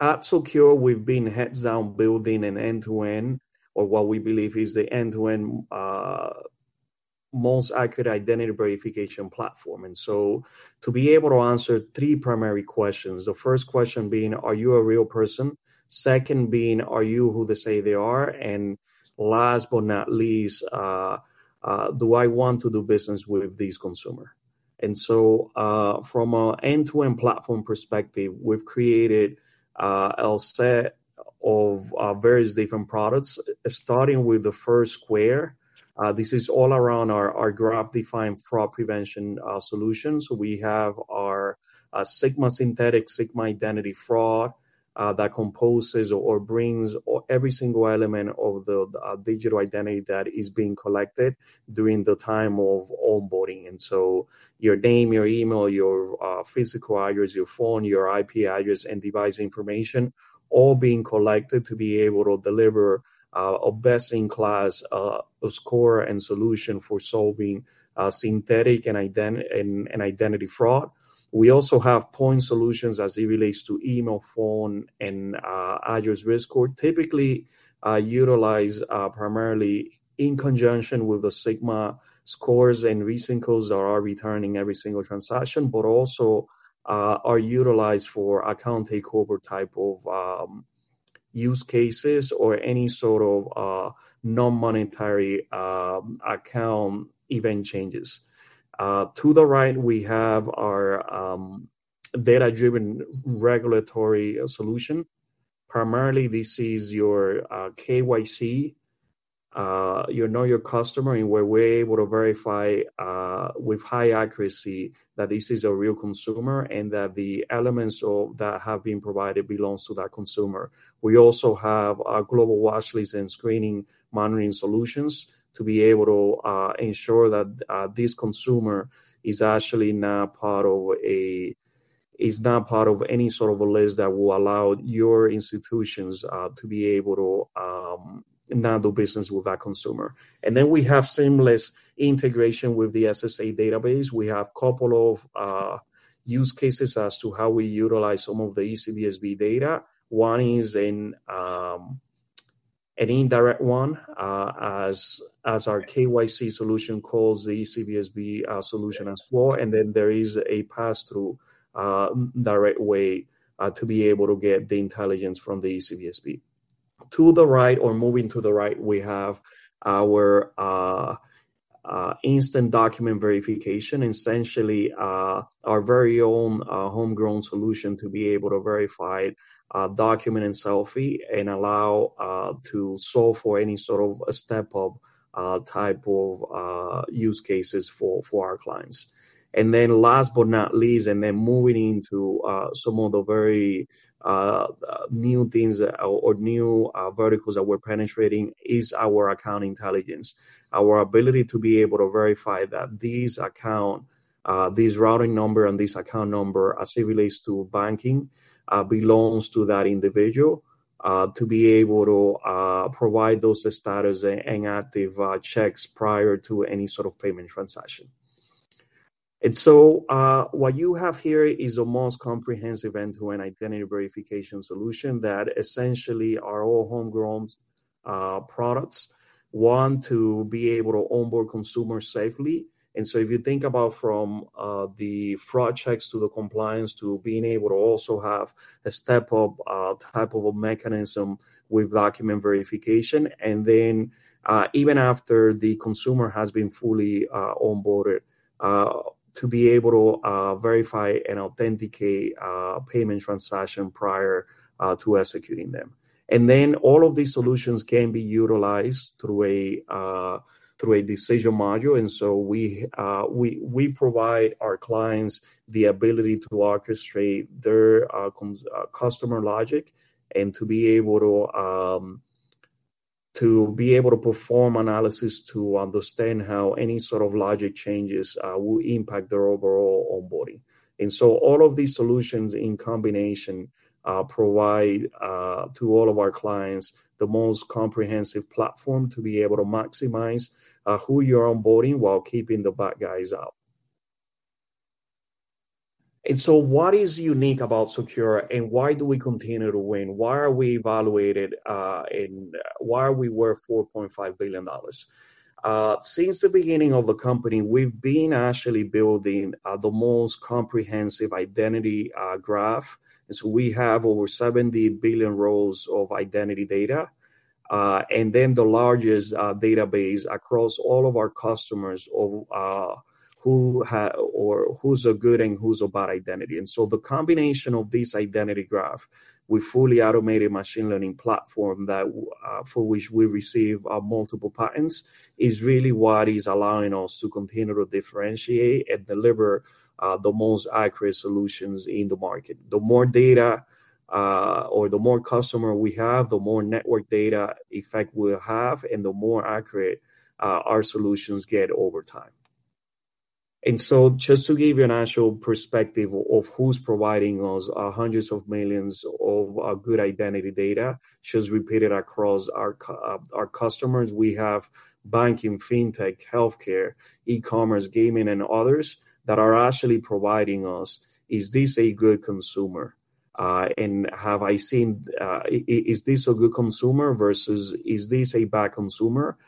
At Socure, we've been heads down building a end-to-end or what we believe is the end-to-end most accurate identity verification platform. To be able to answer three primary questions. The first question being, are you a real person? Second being, are you who they say they are? Last but not least, do I want to do business with this consumer? From a end-to-end platform perspective, we've created a set of various different products starting with the first square. This is all around our graph-defined fraud prevention solutions. We have our Sigma Synthetic, Sigma Identity Fraud. That composes or brings or every single element of the digital identity that is being collected during the time of onboarding. Your name, your email, your physical address, your phone, your IP address, and device information all being collected to be able to deliver a best in class score and solution for solving synthetic and identity fraud. We also have point solutions as it relates to email, phone, and address risk score. Typically, utilized primarily in conjunction with the Sigma scores and recent calls are returning every single transaction, but also are utilized for account takeover type of use cases or any sort of non-monetary account event changes. To the right, we have our data-driven regulatory solution. Primarily, this is your KYC, you know your customer, and where we're able to verify with high accuracy that this is a real consumer and that the elements that have been provided belongs to that consumer. We also have our global watch lists and screening monitoring solutions to be able to ensure that this consumer is actually not part of any sort of a list that will allow your institutions to be able to not do business with that consumer. We have seamless integration with the SSA database. We have couple of use cases as to how we utilize some of the eCBSV data. One is in an indirect one, as our KYC solution calls the eCBSV solution as well. There is a pass-through, direct way, to be able to get the intelligence from the eCBSV. To the right or moving to the right, we have our instant document verification. Essentially, our very own, homegrown solution to be able to verify a document and selfie and allow to solve for any sort of a step-up, type of, use cases for our clients. Last but not least, and then moving into, some of the very, new things that or new, verticals that we're penetrating is our account intelligence. Our ability to be able to verify that this account, this routing number and this account number as it relates to banking, belongs to that individual, to be able to provide those status and active checks prior to any sort of payment transaction. What you have here is the most comprehensive end-to-end identity verification solution that essentially are all homegrown products. One, to be able to onboard consumers safely. If you think about from the fraud checks to the compliance to being able to also have a step-up type of a mechanism with document verification, and then, even after the consumer has been fully onboarded, to be able to verify and authenticate a payment transaction prior to executing them. All of these solutions can be utilized through a decision module. We provide our clients the ability to orchestrate their customer logic and to be able to perform analysis to understand how any sort of logic changes will impact their overall onboarding. All of these solutions in combination provide to all of our clients the most comprehensive platform to be able to maximize who you're onboarding while keeping the bad guys out. What is unique about Socure, and why do we continue to win? Why are we evaluated, and why are we worth $4.5 billion? Since the beginning of the company, we've been actually building the most comprehensive identity graph. We have over 70 billion rows of identity data, and then the largest database across all of our customers of who's a good and who's a bad identity. The combination of this identity graph with fully automated machine learning platform for which we receive multiple patents, is really what is allowing us to continue to differentiate and deliver the most accurate solutions in the market. The more data, or the more customer we have, the more network data effect we'll have, and the more accurate our solutions get over time. Just to give you an actual perspective of who's providing us, hundreds of millions of good identity data, just repeated across our customers, we have banking, fintech, healthcare, e-commerce, gaming, and others that are actually providing us, is this a good consumer? Have I seen, is this a good consumer versus is this a bad consumer?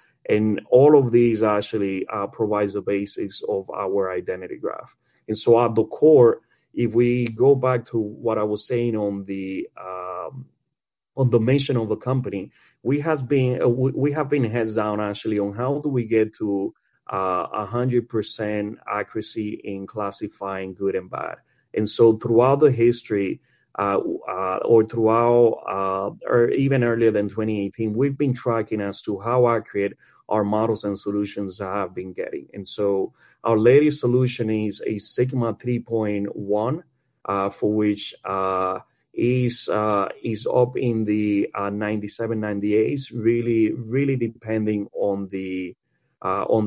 All of these actually provides the basics of our identity graph. At the core, if we go back to what I was saying on the mission of the company, we have been heads down actually on how do we get to 100% accuracy in classifying good and bad. Throughout the history, or throughout, or even earlier than 2018, we've been tracking as to how accurate our models and solutions have been getting. Our latest solution is a Sigma 3.1, for which is up in the 97%-98%, really depending on the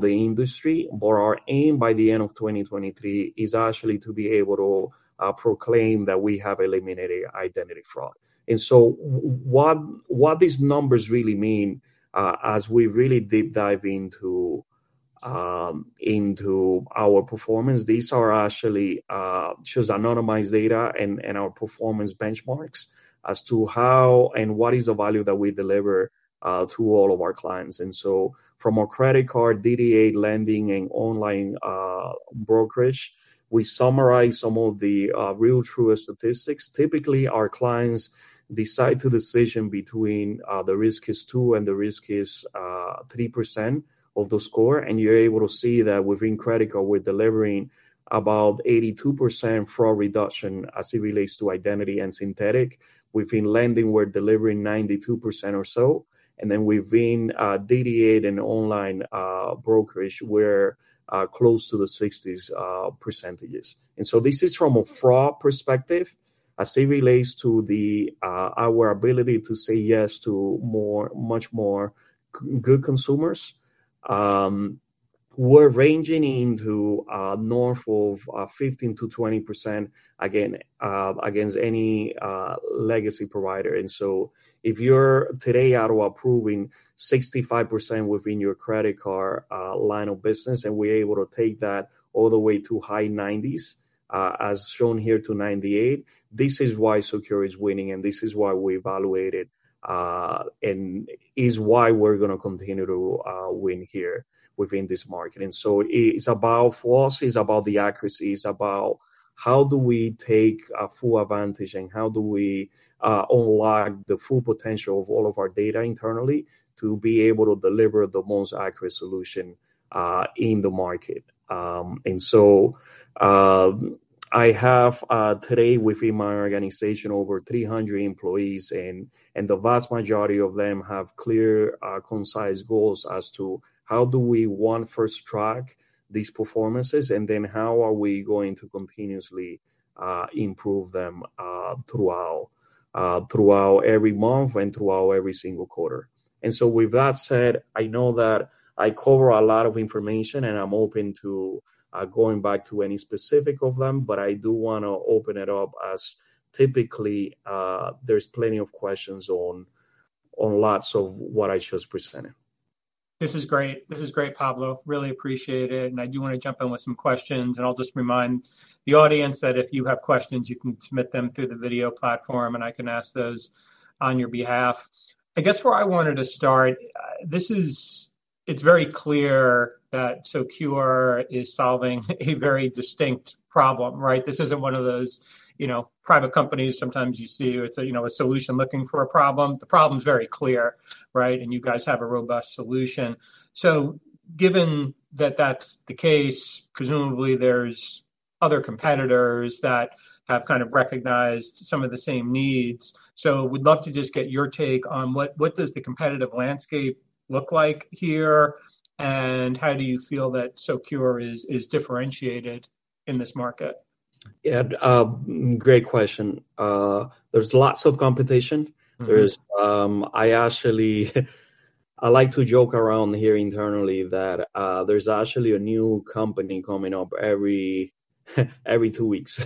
industry. Our aim by the end of 2023 is actually to be able to proclaim that we have eliminated identity fraud. What these numbers really mean, as we really deep dive into our performance, these are actually shows anonymized data and our performance benchmarks as to how and what is the value that we deliver to all of our clients. From a credit card, DDA lending, and online brokerage, we summarize some of the real truest statistics. Typically, our clients decide to decision between the risk is 2% and the risk is 3% of the score. You're able to see that within Credico, we're delivering about 82% fraud reduction as it relates to identity and synthetic. Within lending, we're delivering 92% or so. Within DDA and online brokerage, we're close to the 60s percentages. This is from a fraud perspective as it relates to our ability to say yes to more, much more good consumers. We're ranging into north of 15%-20% again against any legacy provider. If you're today out approving 65% within your credit card line of business, and we're able to take that all the way to high 90s as shown here to 98, this is why Socure is winning, and this is why we evaluated and is why we're gonna continue to win here within this market. It is about for us, it's about the accuracy, it's about how do we take full advantage and how do we unlock the full potential of all of our data internally to be able to deliver the most accurate solution in the market. I have today within my organization over 300 employees, and the vast majority of them have clear, concise goals as to how do we want to first track these performances, and then how are we going to continuously improve them throughout every month and throughout every single quarter. With that said, I know that I cover a lot of information, and I'm open to going back to any specific of them, but I do wanna open it up as typically there's plenty of questions on lots of what I just presented.
This is great, Pablo. Really appreciate it, and I do want to jump in with some questions. I'll just remind the audience that if you have questions, you can submit them through the video platform, and I can ask those on your behalf. I guess where I wanted to start, it's very clear that Socure is solving a very distinct problem, right? This isn't one of those, you know, private companies sometimes you see it's a, you know, a solution looking for a problem. The problem's very clear, right? You guys have a robust solution. Given that that's the case, presumably there's other competitors that have kind of recognized some of the same needs. We'd love to just get your take on what does the competitive landscape look like here, and how do you feel that Socure is differentiated in this market?
Yeah, great question. There's lots of competition.
Mm-hmm.
There's I actually like to joke around here internally that there's actually a new company coming up every two weeks.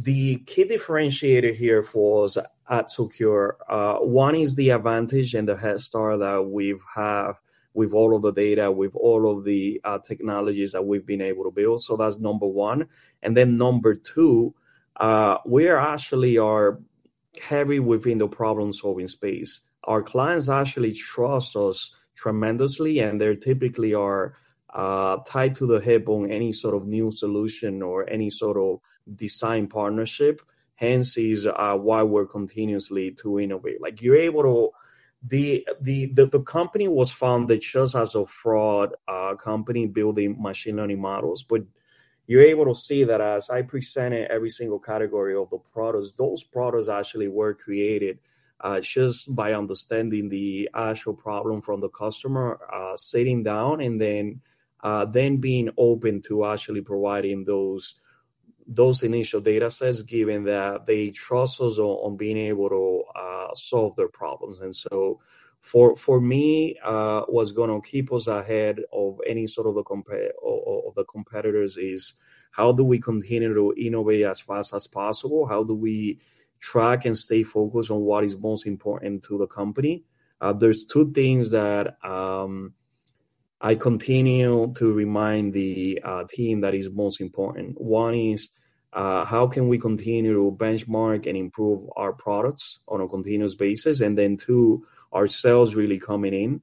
The key differentiator here for us at Socure, one is the advantage and the head start that we've have with all of the data, with all of the technologies that we've been able to build. That's number one. Number two, we actually are heavy within the problem-solving space. Our clients actually trust us tremendously, and they typically are tied to the hip on any sort of new solution or any sort of design partnership. Hence is why we're continuously to innovate. The company was founded just as a fraud company building machine learning models. You're able to see that as I presented every single category of the products, those products actually were created just by understanding the actual problem from the customer, sitting down, and then being open to actually providing those initial data sets, given that they trust us on being able to solve their problems. For me, what's gonna keep us ahead of any sort of the competitors is how do we continue to innovate as fast as possible? How do we track and stay focused on what is most important to the company? There's two things that I continue to remind the team that is most important. One is, how can we continue to benchmark and improve our products on a continuous basis? Two, ourselves really coming in.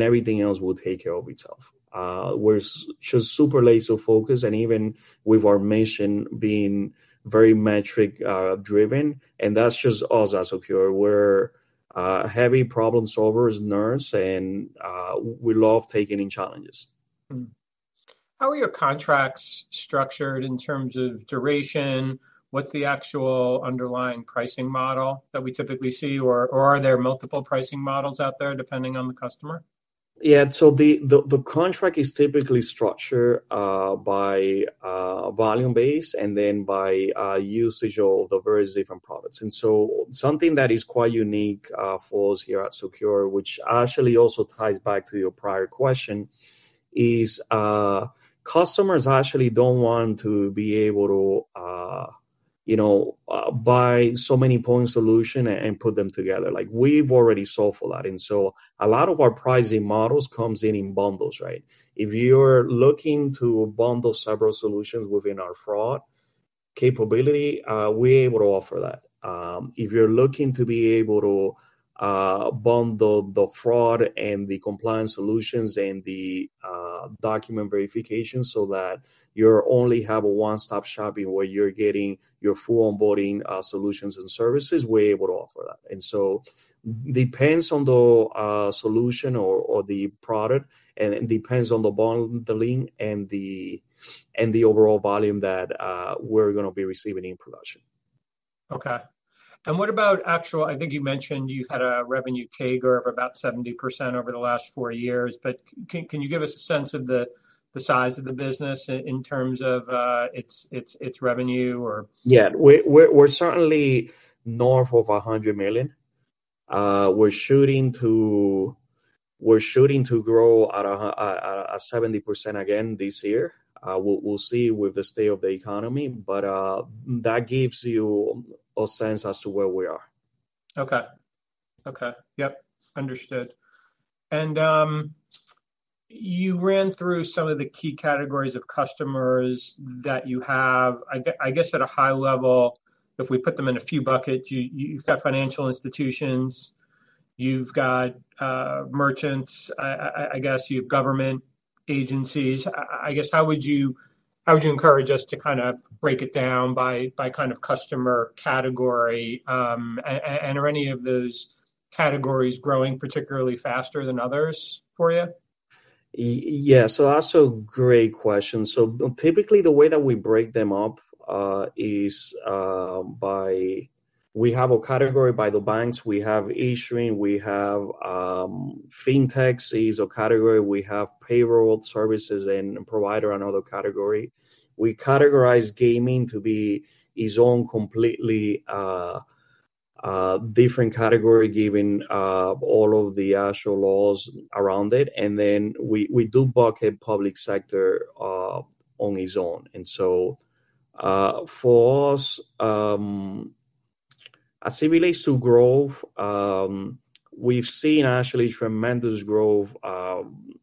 Everything else will take care of itself. We're just super laser focused. Even with our mission being very metric driven, that's just us at Socure. We're heavy problem solvers nerds. We love taking challenges.
How are your contracts structured in terms of duration? What's the actual underlying pricing model that we typically see, or are there multiple pricing models out there depending on the customer?
Yeah. The contract is typically structured by volume base and then by usage of the various different products. Something that is quite unique for us here at Socure, which actually also ties back to your prior question, is customers actually don't want to be able to, you know, buy so many point solution and put them together. Like, we've already solved for that. A lot of our pricing models comes in in bundles, right? If you're looking to bundle several solutions within our fraud capability, we're able to offer that. If you're looking to be able to bundle the fraud and the compliance solutions and the document verification so that you only have a one-stop shop where you're getting your full onboarding solutions and services, we're able to offer that. Depends on the solution or the product, and it depends on the bundling and the overall volume that we're gonna be receiving in production.
Okay. I think you mentioned you had a revenue CAGR of about 70% over the last four years, can you give us a sense of the size of the business in terms of its revenue or?
Yeah. We're certainly north of $100 million. We're shooting to grow at a 70% again this year. We'll see with the state of the economy, but that gives you a sense as to where we are.
Okay. Okay. Yep. Understood. You ran through some of the key categories of customers that you have. I guess at a high level, if we put them in a few buckets, you've got financial institutions, you've got merchants, I guess you have government agencies. I guess, how would you encourage us to kind of break it down by kind of customer category? Are any of those categories growing particularly faster than others for you?
Yes. Also great question. Typically, the way that we break them up is by the banks, we have issuing, we have fintechs is a category, we have payroll services and provider and other category. We categorize gaming to be its own completely different category given all of the actual laws around it. We do bucket public sector on its own. For us, as it relates to growth, we've seen actually tremendous growth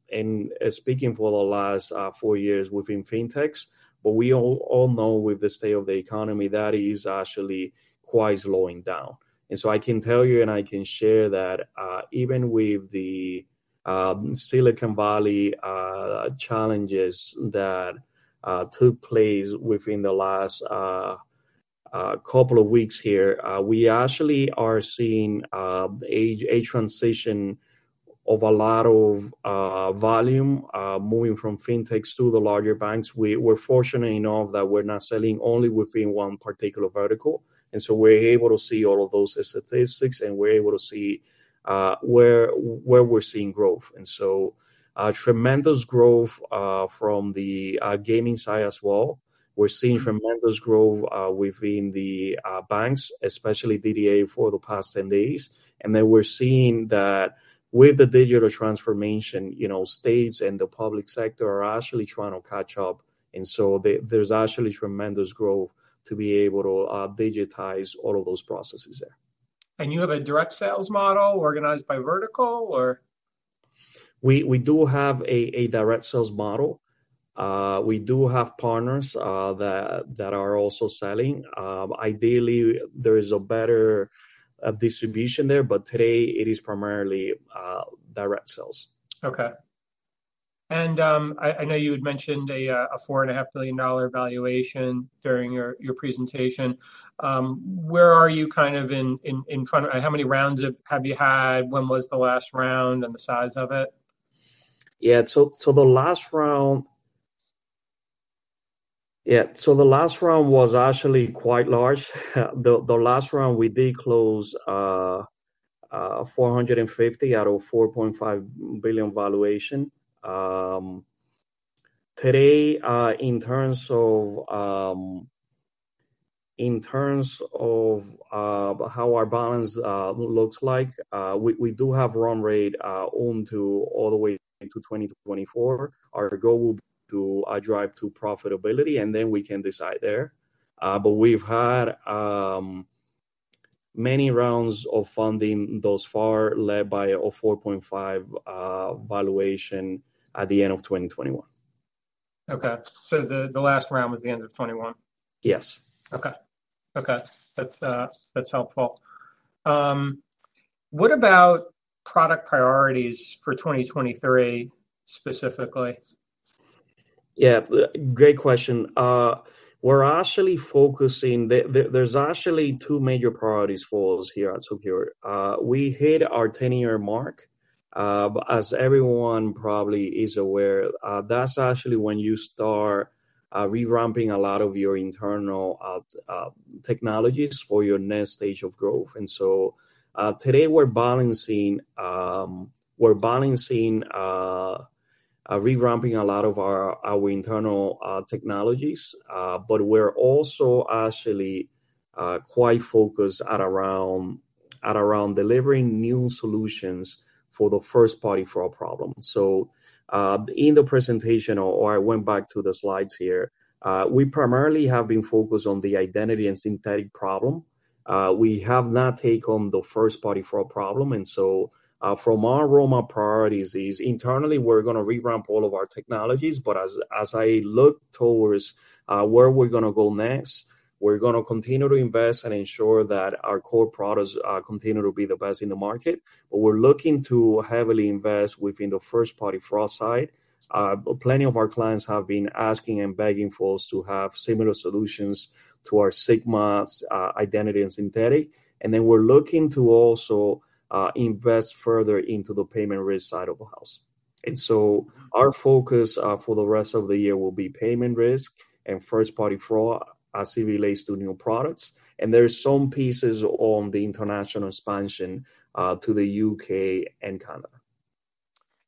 in speaking for the last four years within fintechs. We all know with the state of the economy that is actually quite slowing down. I can tell you, and I can share that, even with the Silicon Valley challenges that took place within the last couple of weeks here, we actually are seeing a transition of a lot of volume moving from fintechs to the larger banks. We're fortunate enough that we're not selling only within one particular vertical, we're able to see all of those statistics, and we're able to see where we're seeing growth. Tremendous growth from the gaming side as well. We're seeing tremendous growth within the banks, especially DDA for the past 10 days. We're seeing that with the digital transformation, you know, states and the public sector are actually trying to catch up. There's actually tremendous growth to be able to digitize all of those processes there.
You have a direct sales model organized by vertical or?
We do have a direct sales model. We do have partners that are also selling. Ideally, there is a better distribution there, but today it is primarily direct sales.
Okay. I know you had mentioned a four and a half billion dollar valuation during your presentation. Where are you kind of in front of... How many rounds have you had? When was the last round and the size of it?
The last round was actually quite large. The last round, we did close $450 out of $4.5 billion valuation. Today, in terms of, in terms of how our balance looks like, we do have run rate on to all the way into 2024. Our goal would be to drive to profitability, and then we can decide there. We've had many rounds of funding thus far, led by a $4.5 billion valuation at the end of 2021.
The last round was the end of 2021?
Yes.
Okay. That's helpful. What about product priorities for 2023 specifically?
Yeah. Great question. We're actually focusing. There's actually two major priorities for us here at Socure. We hit our 10-year mark, but as everyone probably is aware, that's actually when you start revamping a lot of your internal technologies for your next stage of growth. Today we're balancing revamping a lot of our internal technologies. We're also actually quite focused at around delivering new solutions for the first party fraud problem. In the presentation, or I went back to the slides here, we primarily have been focused on the identity and synthetic problem. We have now taken the first party fraud problem, from our realm, our priorities is internally we're gonna revamp all of our technologies, but as I look towards where we're gonna go next, we're gonna continue to invest and ensure that our core products continue to be the best in the market. We're looking to heavily invest within the first party fraud side. Plenty of our clients have been asking and begging for us to have similar solutions to our Sigma's identity and synthetic. We're looking to also invest further into the payment risk side of the house. Our focus for the rest of the year will be payment risk and first party fraud as it relates to new products. There's some pieces on the international expansion to the U.K. and Canada.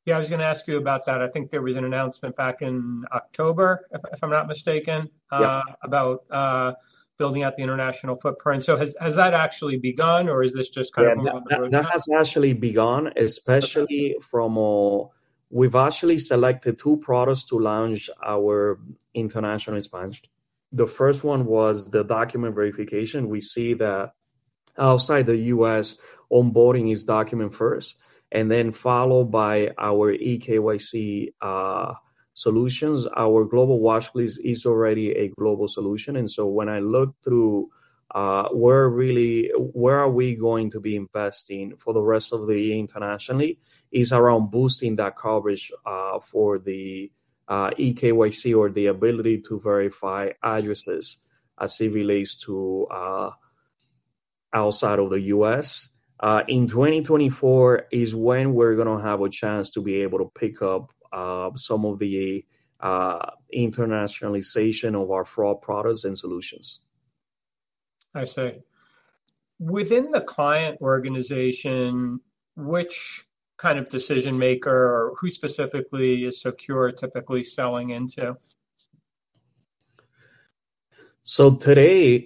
Yeah, I was gonna ask you about that. I think there was an announcement back in October, if I'm not mistaken-
Yeah...
about, building out the international footprint. Has that actually begun or is this just kind of?
Yeah
a road map?
That has actually begun, especially from... We've actually selected two products to launch our international expansion. The first one was the document verification. We see that outside the U.S., onboarding is document first, and then followed by our eKYC solutions. Our global watch list is already a global solution, and so when I look through where really, where are we going to be investing for the rest of the year internationally is around boosting that coverage for the eKYC or the ability to verify addresses as it relates to outside of the U.S. In 2024 is when we're gonna have a chance to be able to pick up some of the internationalization of our fraud products and solutions.
I see. Within the client organization, which kind of decision maker or who specifically is Socure typically selling into?
Today,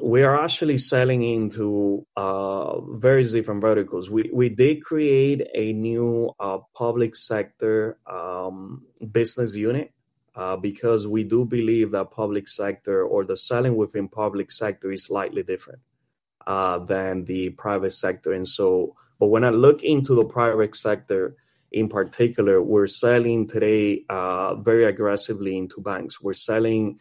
we are actually selling into various different verticals. We did create a new public sector business unit because we do believe that public sector or the selling within public sector is slightly different than the private sector. When I look into the private sector in particular, we're selling today very aggressively into banks. We're selling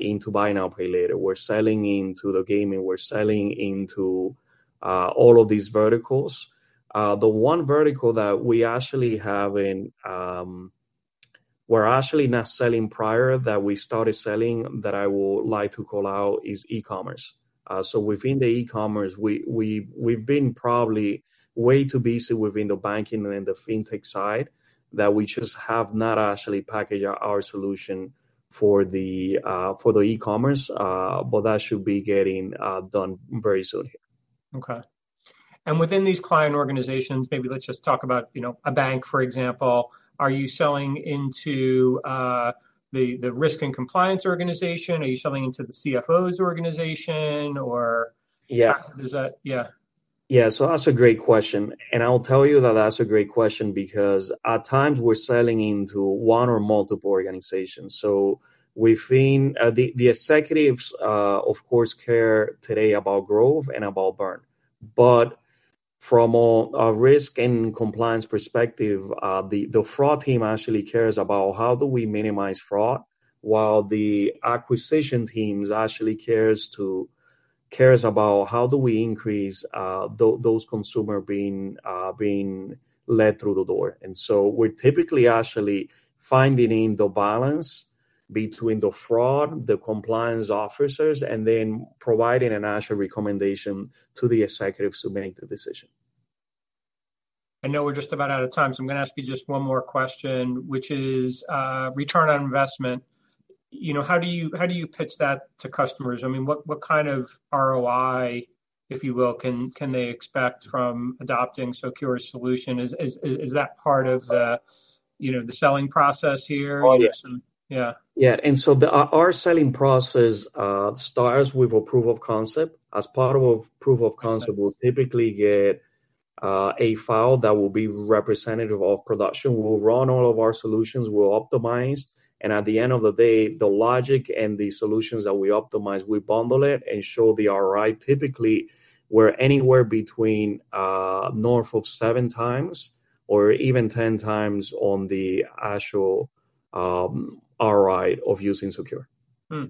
into buy now, pay later. We're selling into the gaming. We're selling into all of these verticals. The one vertical that we actually have in, we're actually now selling prior that we started selling that I would like to call out is e-commerce. Within the e-commerce, we've been probably way too busy within the banking and the fintech side that we just have not actually packaged our solution for the e-commerce. That should be getting done very soon.
Okay. Within these client organizations, maybe let's just talk about, you know, a bank, for example. Are you selling into the risk and compliance organization? Are you selling into the CFO's organization?
Yeah
is that... Yeah.
That's a great question. I'll tell you that that's a great question because at times we're selling into one or multiple organizations. Within the executives, of course, care today about growth and about burn. From a risk and compliance perspective, the fraud team actually cares about how do we minimize fraud, while the acquisition teams actually cares about how do we increase those consumer being led through the door. We're typically actually finding the balance between the fraud, the compliance officers, and then providing an actual recommendation to the executives who make the decision.
I know we're just about out of time, I'm gonna ask you just one more question, which is, return on investment. You know, how do you pitch that to customers? I mean, what kind of ROI, if you will, can they expect from adopting Socure's solution? Is that part of the, you know, the selling process here?
Oh, yeah.
Yeah.
Yeah. Our selling process, starts with a proof of concept. As part of proof of concept.
I see....
we'll typically get a file that will be representative of production. We'll run all of our solutions, we'll optimize, and at the end of the day, the logic and the solutions that we optimize, we bundle it and show the ROI. Typically, we're anywhere between north of 7x or even 10x on the actual ROI of using Socure.
Hmm.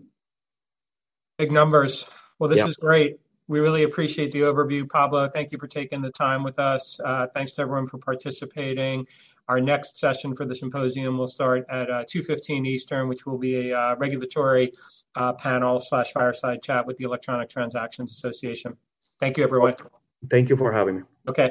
Big numbers.
Yeah.
Well, this is great. We really appreciate the overview, Pablo. Thank you for taking the time with us. Thanks to everyone for participating. Our next session for the symposium will start at 2:15 P.M. Eastern, which will be a regulatory panel/fireside chat with the Electronic Transactions Association. Thank you, everyone.
Thank you for having me.
Okay.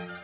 Bye-bye.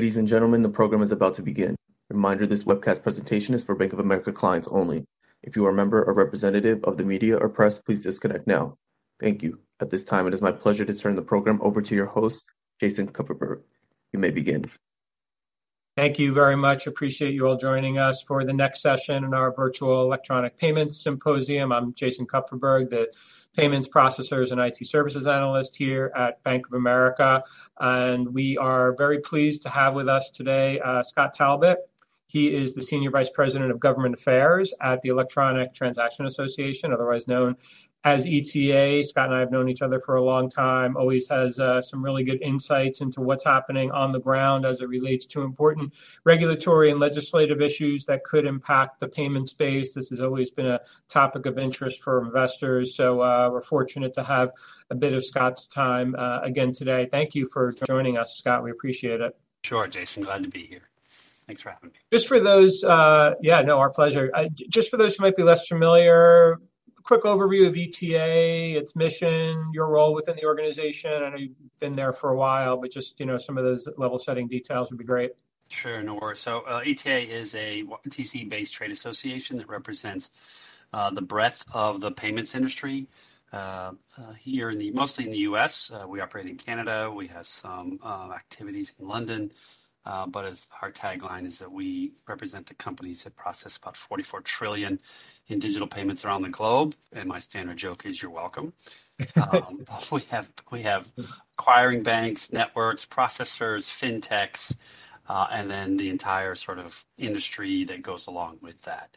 Ladies and gentlemen, the program is about to begin. Reminder, this webcast presentation is for Bank of America clients only. If you are a member or representative of the media or press, please disconnect now. Thank you. At this time, it is my pleasure to turn the program over to your host, Jason Kupferberg. You may begin. Thank you very much. Appreciate you all joining us for the next session in our virtual Electronic Payments Symposium. I'm Jason Kupferberg, the payments processors and IT services analyst here at Bank of America. We are very pleased to have with us today, Scott Talbott. He is the Senior Vice President of Government Affairs at the Electronic Transactions Association, otherwise known as ETA. Scott and I have known each other for a long time.
Always has some really good insights into what's happening on the ground as it relates to important regulatory and legislative issues that could impact the payment space. This has always been a topic of interest for investors, so we're fortunate to have a bit of Scott's time again today. Thank you for joining us, Scott. We appreciate it.
Sure, Jason. Glad to be here. Thanks for having me.
Just for those, yeah, no, our pleasure. I, just for those who might be less familiar, quick overview of ETA, its mission, your role within the organization. I know you've been there for a while, but just, you know, some of those level-setting details would be great.
Sure, no worries. ETA is a Washington D.C.-based trade association that represents the breadth of the payments industry mostly in the U.S. We operate in Canada. We have some activities in London. As our tagline is that we represent the companies that process about $44 trillion in digital payments around the globe, and my standard joke is, "You're welcome." We have acquiring banks, networks, processors, fintechs, and then the entire sort of industry that goes along with that.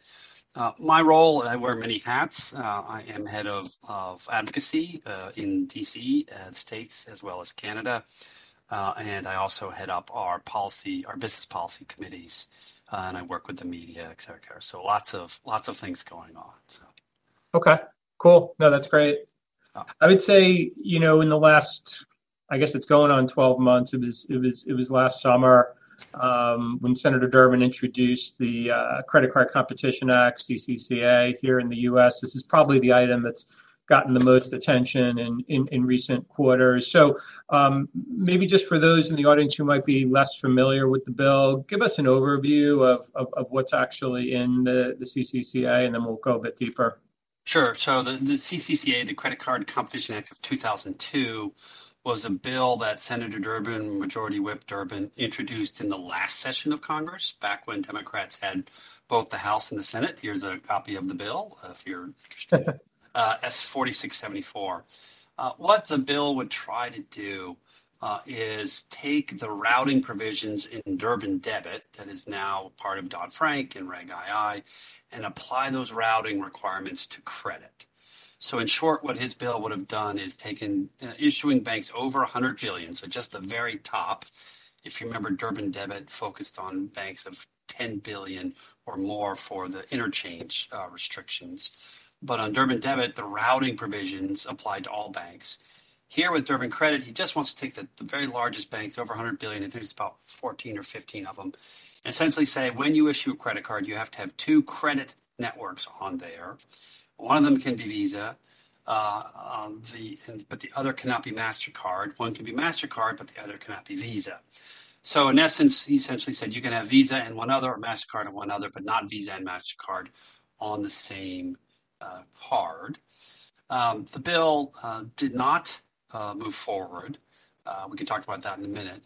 My role, I wear many hats. I am head of advocacy in D.C., the States, as well as Canada. I also head up our policy, our business policy committees, and I work with the media, et cetera, et cetera. Lots of things going on.
Okay, cool. No, that's great. I would say, you know, in the last, I guess it's going on 12 months, it was last summer, when Senator Durbin introduced the Credit Card Competition Act, CCCA, here in the U.S. This is probably the item that's gotten the most attention in recent quarters. Maybe just for those in the audience who might be less familiar with the bill, give us an overview of what's actually in the CCCA, and then we'll go a bit deeper.
Sure. The CCCA, the Credit Card Competition Act of 2002, was a bill that Senator Durbin, Majority Whip Durbin, introduced in the last session of Congress, back when Democrats had both the House and the Senate. Here's a copy of the bill if you're interested. S-4674. What the bill would try to do is take the routing provisions in Durbin Amendment that is now part of Dodd-Frank and Regulation II and apply those routing requirements to credit. In short, what his bill would have done is taken issuing banks over $100 billion, so just the very top. If you remember, Durbin Amendment focused on banks of $10 billion or more for the interchange restrictions. On Durbin Amendment, the routing provisions apply to all banks. Here with Durbin credit, he just wants to take the very largest banks, over $100 billion, I think there's about 14 or 15 of them, and essentially say, "When you issue a credit card, you have to have two credit networks on there. One of them can be Visa, but the other cannot be Mastercard. One can be Mastercard, but the other cannot be Visa." In essence, he essentially said, "You can have Visa and one other, or Mastercard and one other, but not Visa and Mastercard on the same card." The bill did not move forward. We can talk about that in a minute.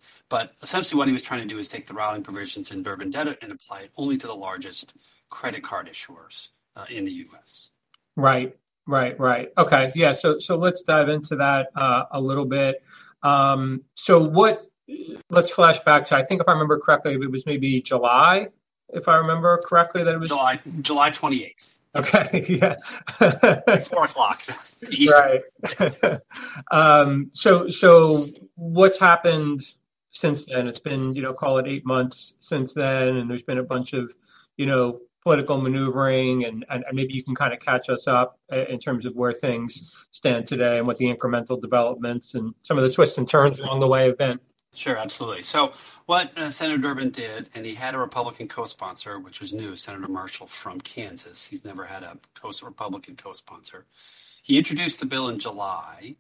Essentially what he was trying to do is take the routing provisions in Durbin Amendment and apply it only to the largest credit card issuers in the U.S.
Right. Right. Okay, yeah, so let's dive into that a little bit. Let's flash back to, I think if I remember correctly, it was maybe July, if I remember correctly.
July. July twentieth.
Okay, yeah.
At 4 o'clock Eastern.
Right. What's happened since then? It's been, you know, call it eight months since then, and there's been a bunch of, you know, political maneuvering and maybe you can kind of catch us up in terms of where things stand today and what the incremental developments and some of the twists and turns along the way have been.
Sure, absolutely. What Senator Durbin did, and he had a Republican co-sponsor, which was new, Senator Marshall from Kansas. He's never had a Republican co-sponsor. He introduced the bill in July,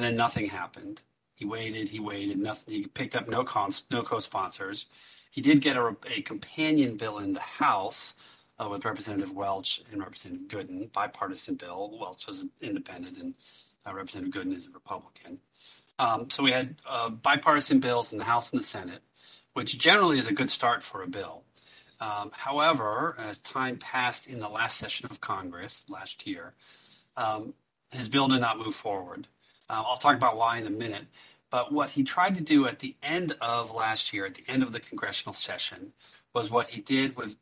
nothing happened. He waited, nothing. He picked up no co-sponsors. He did get a companion bill in the House with Representative Welch and Representative Gooden, bipartisan bill. Welch is an independent, Representative Gooden is a Republican. We had bipartisan bills in the House and the Senate, which generally is a good start for a bill. However, as time passed in the last session of Congress last year, his bill did not move forward. I'll talk about why in a minute. What he tried to do at the end of last year, at the end of the congressional session, was what he did with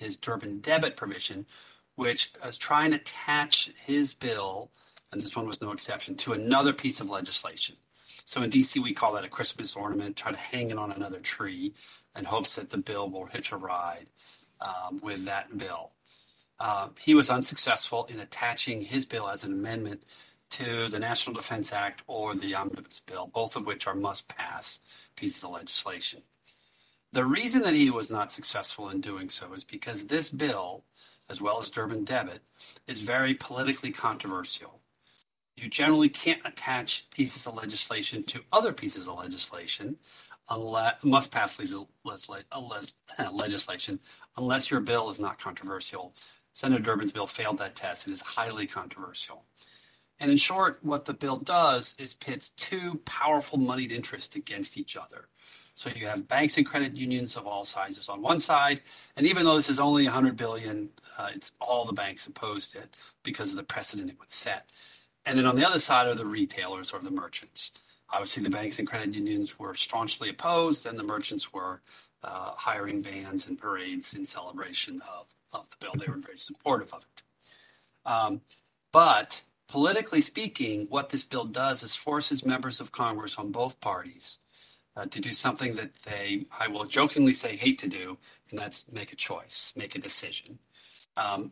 his Durbin debit provision, which was try and attach his bill, and this one was no exception, to another piece of legislation. In D.C., we call that a Christmas ornament, try to hang it on another tree in hopes that the bill will hitch a ride with that bill. He was unsuccessful in attaching his bill as an amendment to the National Defense Act or the omnibus bill, both of which are must-pass pieces of legislation. The reason that he was not successful in doing so is because this bill, as well as Durbin debit, is very politically controversial. You generally can't attach pieces of legislation to other pieces of legislation unless your bill is not controversial. Senator Durbin's bill failed that test and is highly controversial. In short, what the bill does is pits two powerful moneyed interests against each other. You have banks and credit unions of all sizes on one side, and even though this is only $100 billion, it's all the banks opposed it because of the precedent it would set. Then on the other side are the retailers or the merchants. Obviously, the banks and credit unions were staunchly opposed, and the merchants were hiring bands and parades in celebration of the bill. They were very supportive of it. Politically speaking, what this bill does is forces members of Congress on both parties to do something that they, I will jokingly say, hate to do, and that's make a choice, make a decision.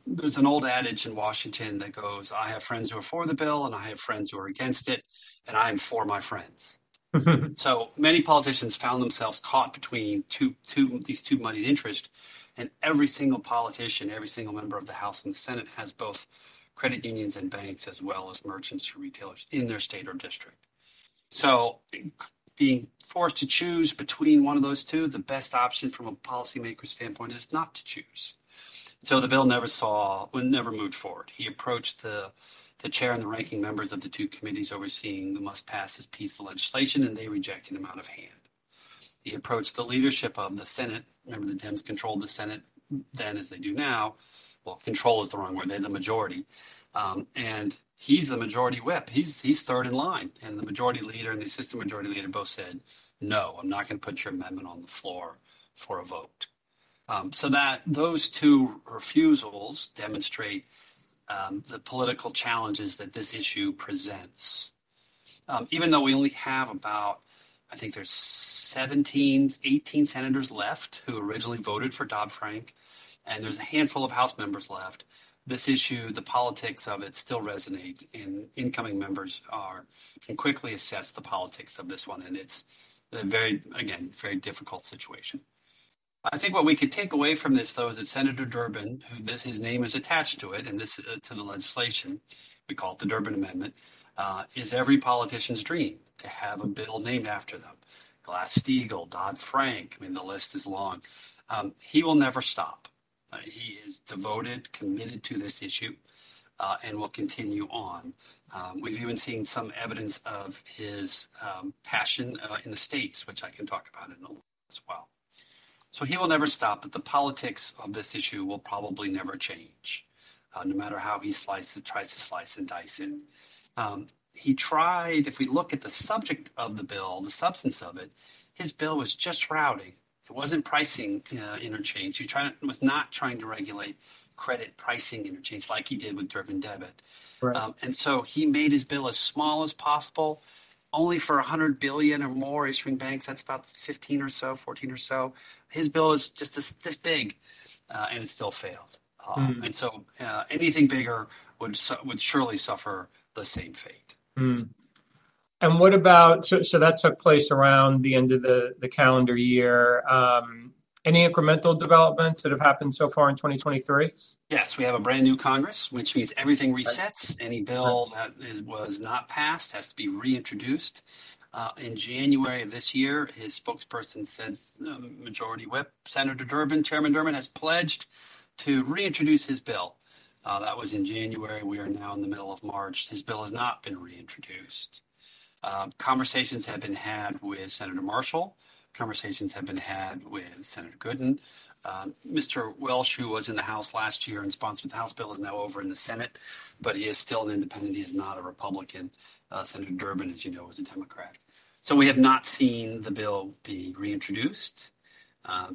There's an old adage in Washington that goes, "I have friends who are for the bill and I have friends who are against it, and I am for my friends." Many politicians found themselves caught between these two moneyed interest, and every single politician, every single member of the House and the Senate has both credit unions and banks as well as merchants or retailers in their state or district. Being forced to choose between one of those two, the best option from a policymaker standpoint is not to choose. The bill never moved forward. He approached the chair and the ranking members of the two committees overseeing the must-pass his piece of legislation. They rejected him out of hand. He approached the leadership of the Senate. Remember, the Dems controlled the Senate then as they do now. Control is the wrong word, they're the majority. He's the majority whip. He's third in line, the majority leader and the assistant majority leader both said, "No, I'm not gonna put your amendment on the floor for a vote." That those two refusals demonstrate the political challenges that this issue presents. Even though we only have about, I think there's 17, 18 senators left who originally voted for Dodd-Frank, there's a handful of House members left, this issue, the politics of it still resonate in incoming members are... can quickly assess the politics of this one, it's a very, again, very difficult situation. I think what we could take away from this, though, is that Senator Durbin, whose name is attached to it, to the legislation, we call it the Durbin Amendment, is every politician's dream to have a bill named after them. Glass-Steagall, Dodd-Frank, I mean, the list is long. He will never stop. He is devoted, committed to this issue, and will continue on. We've even seen some evidence of his passion in the States, which I can talk about in a little as well. He will never stop, the politics of this issue will probably never change, no matter how he tries to slice and dice it. He tried... If we look at the subject of the bill, the substance of it, his bill was just routing. It wasn't pricing interchange. He was not trying to regulate credit pricing interchange like he did with Durbin-Debit.
Right.
He made his bill as small as possible, only for $100 billion or more issuing banks, that's about 15 or so, 14 or so. His bill is just this big, and it still failed.
Mm.
Anything bigger would surely suffer the same fate.
That took place around the end of the calendar year. Any incremental developments that have happened so far in 2023?
Yes. We have a brand new Congress, which means everything resets. Any bill that was not passed has to be reintroduced. In January of this year, his spokesperson says, Majority Whip, Senator Durbin, Chairman Durbin, has pledged to reintroduce his bill. That was in January. We are now in the middle of March. His bill has not been reintroduced. Conversations have been had with Senator Marshall. Conversations have been had with Senator Gooden. Mr. Welch, who was in the House last year and sponsored the House bill, is now over in the Senate, but he is still an independent. He is not a Republican. Senator Durbin, as you know, is a Democrat. We have not seen the bill be reintroduced.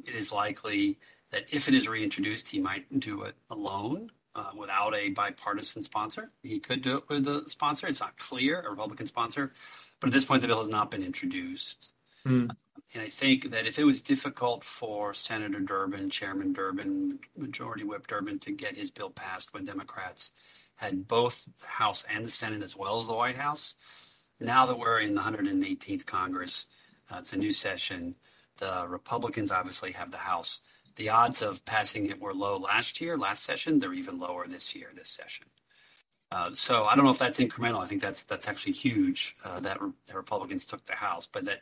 It is likely that if it is reintroduced, he might do it alone, without a bipartisan sponsor. He could do it with a sponsor, it's not clear, a Republican sponsor, but at this point, the bill has not been introduced.
Mm.
I think that if it was difficult for Senator Durbin, Chairman Durbin, Majority Whip Durbin, to get his bill passed when Democrats had both the House and the Senate as well as the White House, now that we're in the 118th Congress, it's a new session, the Republicans obviously have the House. The odds of passing it were low last year, last session. They're even lower this year, this session. I don't know if that's incremental. I think that's actually huge, that the Republicans took the House, but that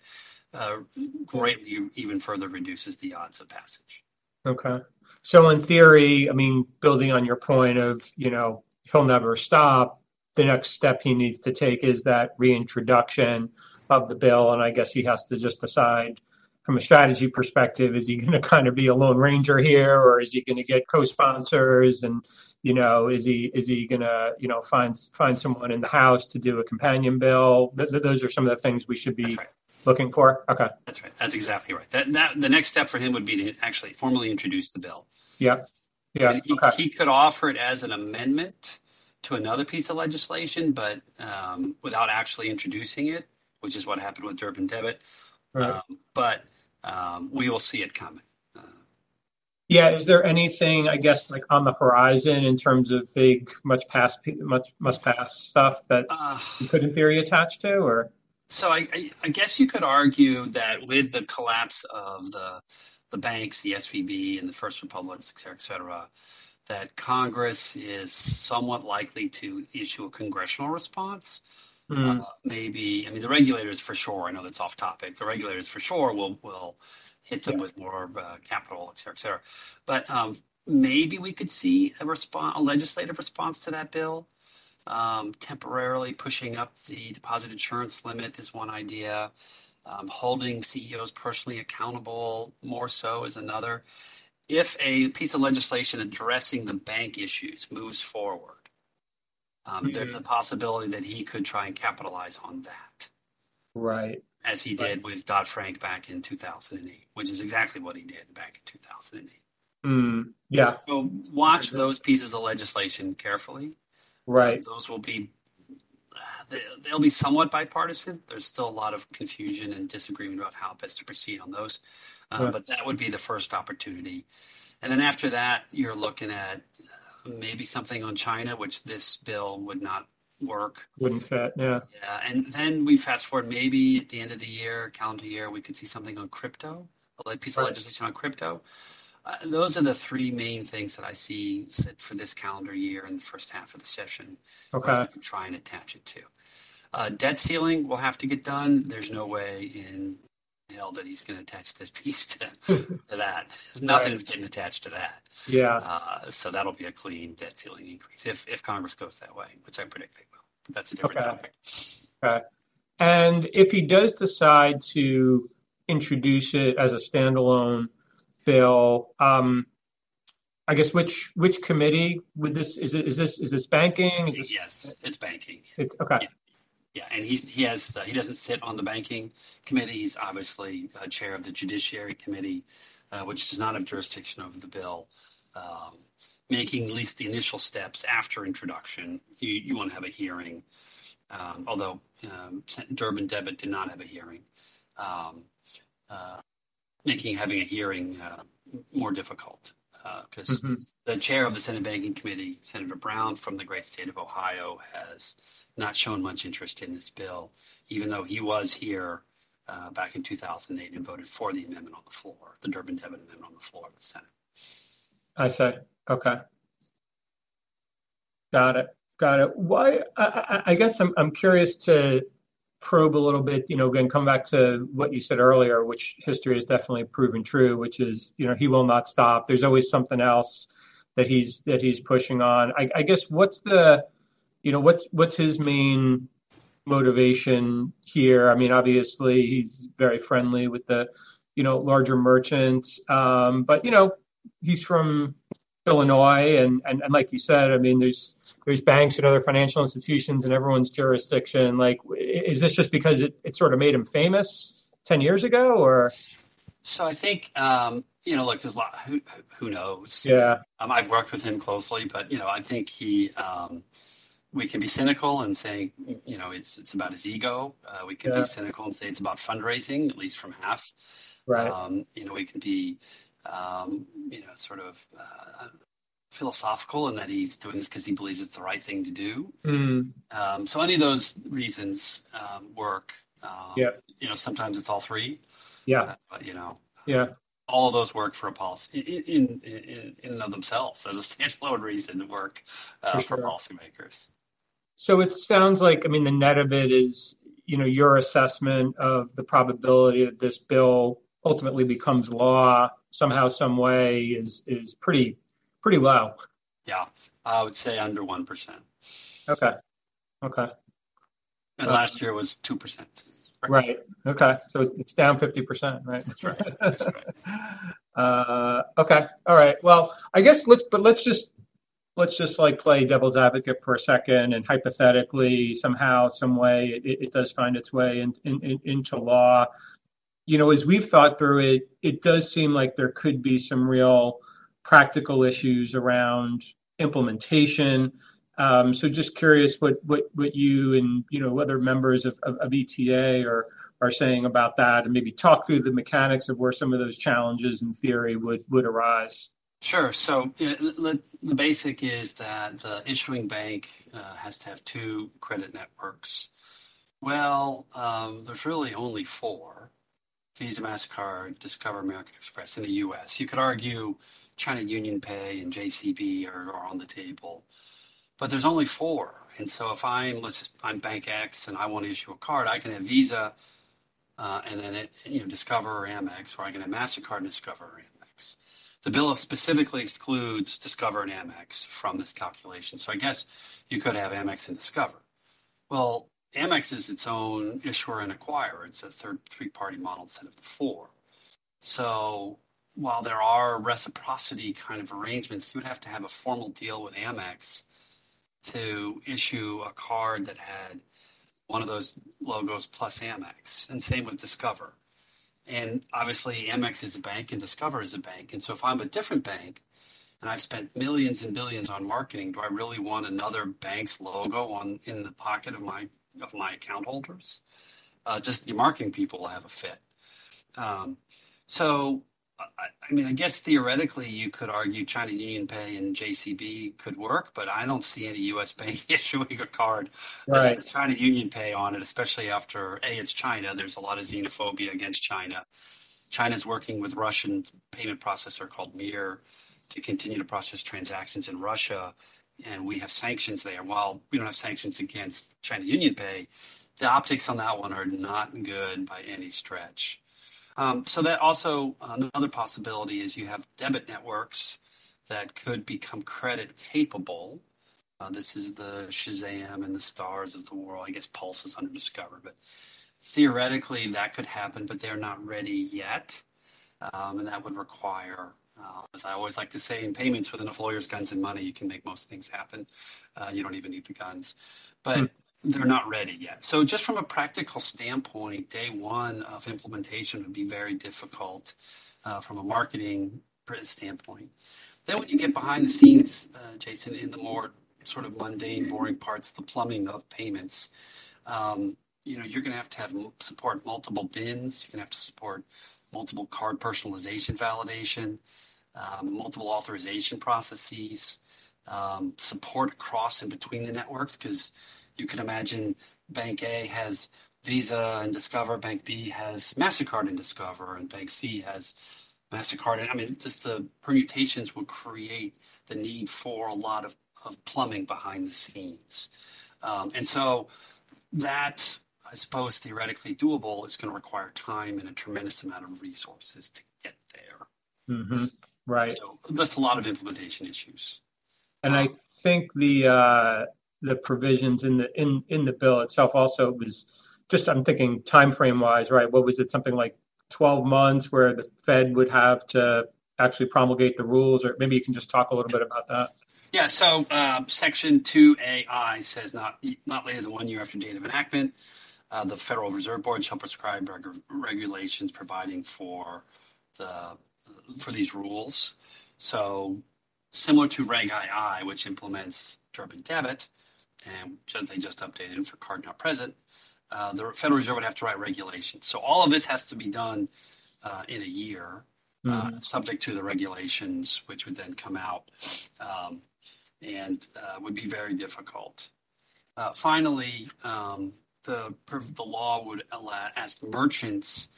greatly even further reduces the odds of passage.
In theory, I mean, building on your point of, you know, he'll never stop, the next step he needs to take is that reintroduction of the bill, and I guess he has to just decide from a strategy perspective, is he gonna kind of be a lone ranger here, or is he gonna get co-sponsors and, you know, is he gonna, you know, find someone in the House to do a companion bill? Those are some of the things we should be.
That's right....
looking for? Okay.
That's right. That's exactly right. The next step for him would be to actually formally introduce the bill.
Yep. Yeah. Okay.
He could offer it as an amendment to another piece of legislation, but, without actually introducing it, which is what happened with Durbin Amendment.
Right.
We will see it coming.
Yeah. Is there anything, I guess, like, on the horizon in terms of big much pass stuff?
Uh.
he could in theory attach to or?
I guess you could argue that with the collapse of the banks, the SVB and the First Republics, et cetera, that Congress is somewhat likely to issue a congressional response.
Mm.
maybe... I mean, the regulators for sure, I know that's off topic, the regulators for sure will hit them.
Yeah...
with more, capital, et cetera. Maybe we could see a legislative response to that bill, temporarily pushing up the deposit insurance limit is one idea. Holding CEOs personally accountable more so is another. If a piece of legislation addressing the bank issues moves forward.
Mm...
there's a possibility that he could try and capitalize on that.
Right.
As he did with Dodd-Frank back in 2008, which is exactly what he did back in 2008.
Yeah.
Watch those pieces of legislation carefully.
Right.
They'll be somewhat bipartisan. There's still a lot of confusion and disagreement about how best to proceed on those.
Right.
That would be the first opportunity. Then after that, you're looking at maybe something on China, which this bill would not work.
Wouldn't fit, yeah.
Yeah. We fast-forward maybe at the end of the year, calendar year, we could see something on crypto.
Right.
A piece of legislation on crypto. Those are the three main things that I see for this calendar year in the first half of the session.
Okay...
where you can try and attach it to. Debt ceiling will have to get done. There's no way in hell that he's gonna attach this piece to that.
Right.
Nothing is getting attached to that.
Yeah.
That'll be a clean debt ceiling increase if Congress goes that way, which I predict they will. That's a different topic.
Okay. Okay. If he does decide to introduce it as a standalone bill, I guess which committee would this? Is it, is this Banking?
Yes, it's Banking.
It's okay.
Yeah. He has, he doesn't sit on the Banking Committee. He's obviously chair of the Judiciary Committee, which does not have jurisdiction over the bill. Making at least the initial steps after introduction, you wanna have a hearing. Although Durbin Amendment did not have a hearing, making having a hearing more difficult, cause.
Mm-hmm...
the chair of the Senate Banking Committee, Senator Brown from the great state of Ohio, has not shown much interest in this bill, even though he was here, back in 2008 and voted for the amendment on the floor, the Durbin, Debit amendment on the floor of the Senate.
I see. Okay. Got it. Got it. I guess I'm curious to probe a little bit, you know, again, come back to what you said earlier, which history has definitely proven true, which is, you know, he will not stop. There's always something else that he's pushing on. I guess, what's his main motivation here? I mean, obviously, he's very friendly with the, you know, larger merchants. You know, he's from Illinois, and like you said, I mean, there's banks and other financial institutions in everyone's jurisdiction. Like, is this just because it sort of made him famous 10 years ago, or?
I think, you know, look, Who knows?
Yeah.
I've worked with him closely, but, you know, I think he. We can be cynical and say, you know, it's about his ego.
Yeah...
cynical and say it's about fundraising, at least from half.
Right.
You know, we can be, you know, sort of, philosophical in that he's doing this 'cause he believes it's the right thing to do.
Mm-hmm.
Any of those reasons, work.
Yeah...
you know, sometimes it's all three.
Yeah.
you know.
Yeah.
All those work for a policy in and of themselves as a standalone reason to work...
For sure....
for policymakers.
It sounds like, I mean, the net of it is, you know, your assessment of the probability that this bill ultimately becomes law somehow, some way is pretty low.
Yeah. I would say under 1%.
Okay. Okay.
Last year it was 2%.
Right. Okay. It's down 50%, right?
That's right. That's right.
Okay. All right. Well, I guess let's just, like, play devil's advocate for a second, and hypothetically, somehow, some way, it does find its way into law. You know, as we've thought through it does seem like there could be some real practical issues around implementation. So just curious what you and, you know, other members of ETA are saying about that. Maybe talk through the mechanics of where some of those challenges in theory would arise.
Sure. The basic is that the issuing bank has to have two credit networks. There's really only four: Visa, Mastercard, Discover, American Express in the U.S. You could argue China UnionPay and JCB are on the table, but there's only four. If I'm bank X and I want to issue a card, I can have Visa, and then you know, Discover or Amex, or I can have Mastercard and Discover or Amex. The bill specifically excludes Discover and Amex from this calculation, so I guess you could have Amex and Discover. Amex is its own issuer and acquirer. It's a three-party model instead of the four. While there are reciprocity kind of arrangements, you would have to have a formal deal with Amex to issue a card that had one of those logos plus Amex, and same with Discover. Obviously, Amex is a bank and Discover is a bank. If I'm a different bank and I've spent millions and billions on marketing, do I really want another bank's logo on, in the pocket of my, of my account holders? Just your marketing people will have a fit. I mean, I guess theoretically you could argue China UnionPay and JCB could work, but I don't see any U.S. bank issuing a card-
Right...
that says China UnionPay on it, especially after, A, it's China. There's a lot of xenophobia against China. China's working with Russian payment processor called Mir to continue to process transactions in Russia. We have sanctions there. While we don't have sanctions against China UnionPay, the optics on that one are not good by any stretch. So that also, another possibility is you have debit networks that could become credit capable. This is the SHAZAM and the Star of the world. I guess PULSE is under Discover. Theoretically, that could happen, but they're not ready yet. That would require, as I always like to say, in payments, with enough lawyers, guns, and money, you can make most things happen. You don't even need the guns.
Hmm.
They're not ready yet. Just from a practical standpoint, day one of implementation would be very difficult from a marketing standpoint. When you get behind the scenes, Jason, in the more sort of mundane, boring parts, the plumbing of payments, you know, you're gonna have to support multiple BINs. You're gonna have to support multiple card personalization validation, multiple authorization processes, support across and between the networks. Cause you could imagine Bank A has Visa and Discover. Bank B has Mastercard and Discover, and Bank C has Mastercard. I mean, just the permutations would create the need for a lot of plumbing behind the scenes. That, I suppose, theoretically doable, is gonna require time and a tremendous amount of resources to get there.
Mm-hmm. Right.
There's a lot of implementation issues.
I think the provisions in the bill itself also was just, I'm thinking timeframe-wise, right? What was it, something like 12 months where the Fed would have to actually promulgate the rules? Maybe you can just talk a little bit about that.
Section 2 says not later than one year after date of enactment, the Federal Reserve Board shall prescribe regulations providing for these rules. Similar to Regulation II, which implements Durbin Amendment, and which then they just updated for card-not-present, the Federal Reserve would have to write regulations. All of this has to be done in a year.
Mm-hmm
...subject to the regulations, which would come out, would be very difficult. Finally, the law would ask merchants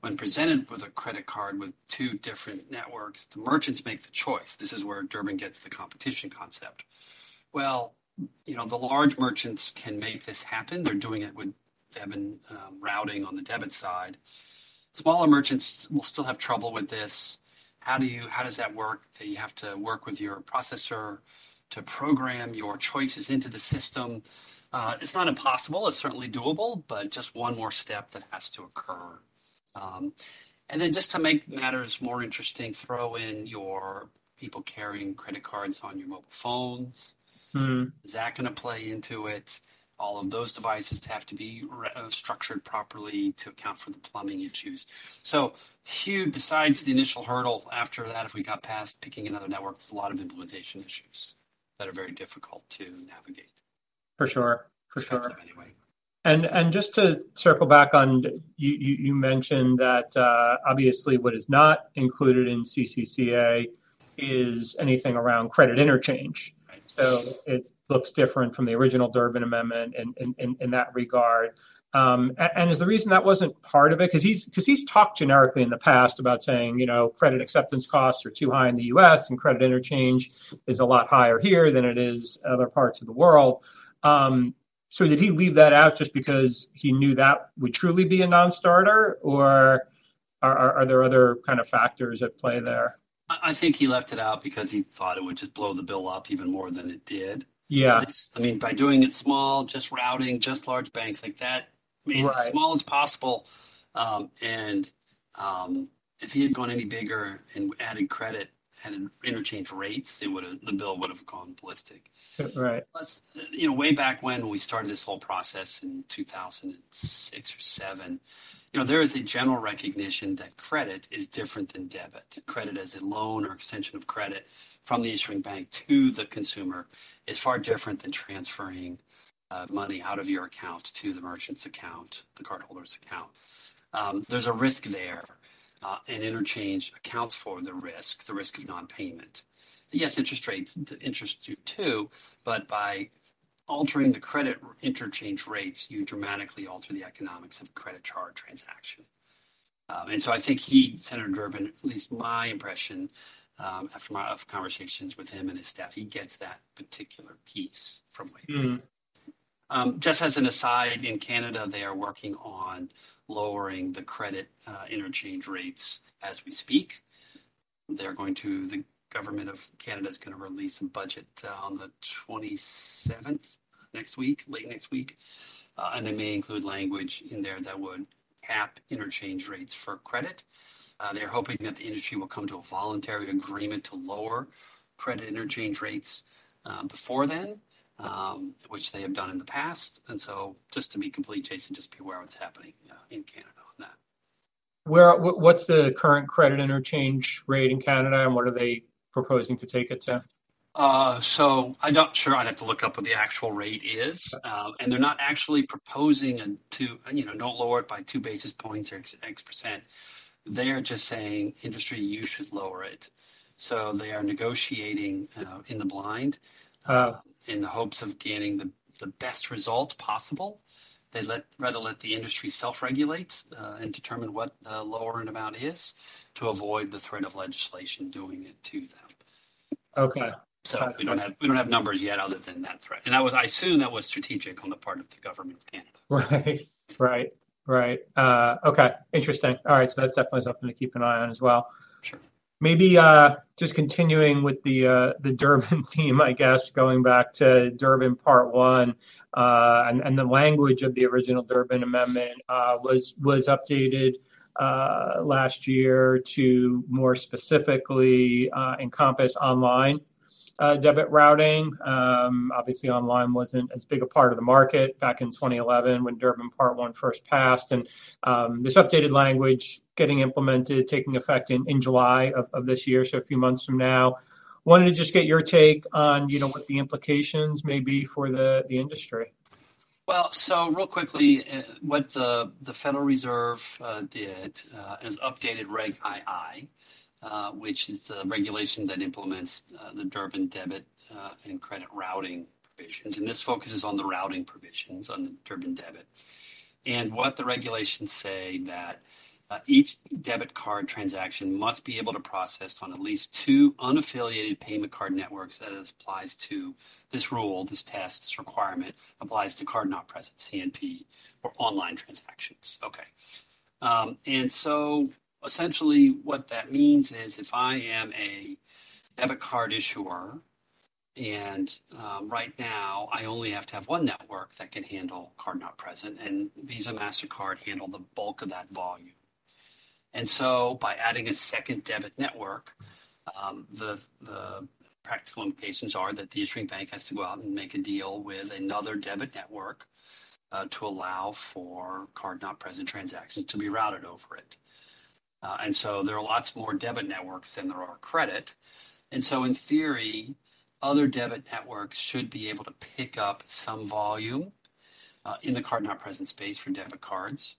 when presented with a credit card with two different networks, the merchants make the choice. This is where Durbin gets the competition concept. You know, the large merchants can make this happen. They're doing it with debit and routing on the debit side. Smaller merchants will still have trouble with this. How does that work that you have to work with your processor to program your choices into the system? It's not impossible. It's certainly doable, but just one more step that has to occur. Just to make matters more interesting, throw in your people carrying credit cards on your mobile phones.
Hmm.
Is that gonna play into it? All of those devices have to be restructured properly to account for the plumbing issues. Huge. Besides the initial hurdle after that, if we got past picking another network, there's a lot of implementation issues that are very difficult to navigate.
For sure. For sure.
It's expensive anyway.
Just to circle back on, you mentioned that, obviously what is not included in CCCA is anything around credit interchange.
Right.
It looks different from the original Durbin Amendment in that regard. Is the reason that wasn't part of it. He's talked generically in the past about saying, you know, credit acceptance costs are too high in the U.S., and credit interchange is a lot higher here than it is other parts of the world. Did he leave that out just because he knew that would truly be a non-starter, or are there other kind of factors at play there?
I think he left it out because he thought it would just blow the bill up even more than it did.
Yeah.
It's, I mean, by doing it small, just routing, just large banks like that...
Right
made it as small as possible. If he had gone any bigger and added credit and interchange rates, the bill would've gone ballistic.
Right.
You know, way back when we started this whole process in 2006 or '07, you know, there was a general recognition that credit is different than debit. Credit as a loan or extension of credit from the issuing bank to the consumer is far different than transferring money out of your account to the merchant's account, the cardholder's account. There's a risk there, interchange accounts for the risk, the risk of non-payment. Yes, interest rates, the interest do too, by altering the credit interchange rates, you dramatically alter the economics of credit card transaction. I think he, Senator Durbin, at least my impression, after my conversations with him and his staff, he gets that particular piece from way back.
Hmm.
Just as an aside, in Canada, they are working on lowering the credit interchange rates as we speak. The government of Canada's gonna release a budget on the 27th, next week, late next week, and they may include language in there that would cap interchange rates for credit. They are hoping that the industry will come to a voluntary agreement to lower credit interchange rates before then, which they have done in the past. Just to be complete, Jason, just be aware of what's happening in Canada on that.
Where, what's the current credit interchange rate in Canada, and what are they proposing to take it to?
I'm not sure. I'd have to look up what the actual rate is. They're not actually proposing to, you know, don't lower it by 2 basis points or X%. They are just saying, "Industry, you should lower it." They are negotiating in the blind-
Oh
...in the hopes of gaining the best result possible. Rather let the industry self-regulate and determine what the lower amount is to avoid the threat of legislation doing it to them.
Okay. Got it.
We don't have numbers yet other than that threat, and that was, I assume that was strategic on the part of the government of Canada.
Right. Okay. Interesting. That's definitely something to keep an eye on as well. Maybe, just continuing with the Durbin theme, I guess, going back to Durbin Part One, and the language of the original Durbin Amendment was updated last year to more specifically encompass online debit routing. Obviously online wasn't as big a part of the market back in 2011 when Durbin Part One first passed and this updated language getting implemented, taking effect in July of this year, so a few months from now. Wanted to just get your take on, you know, what the implications may be for the industry.
Well, real quickly, what the Federal Reserve did, is updated Regulation II, which is the regulation that implements the Durbin Amendment and credit routing provisions. This focuses on the routing provisions on the Durbin Amendment. What the regulations say that each debit card transaction must be able to process on at least two unaffiliated payment card networks, as applies to this rule, this test, this requirement, applies to card-not-present, CNP, or online transactions. Okay. Essentially what that means is if I am a debit card issuer and, right now I only have to have one network that can handle card-not-present, and Visa, Mastercard handle the bulk of that volume. By adding a second debit network, the practical implications are that the issuing bank has to go out and make a deal with another debit network to allow for card-not-present transactions to be routed over it. There are lots more debit networks than there are credit. In theory, other debit networks should be able to pick up some volume in the card-not-present space for debit cards.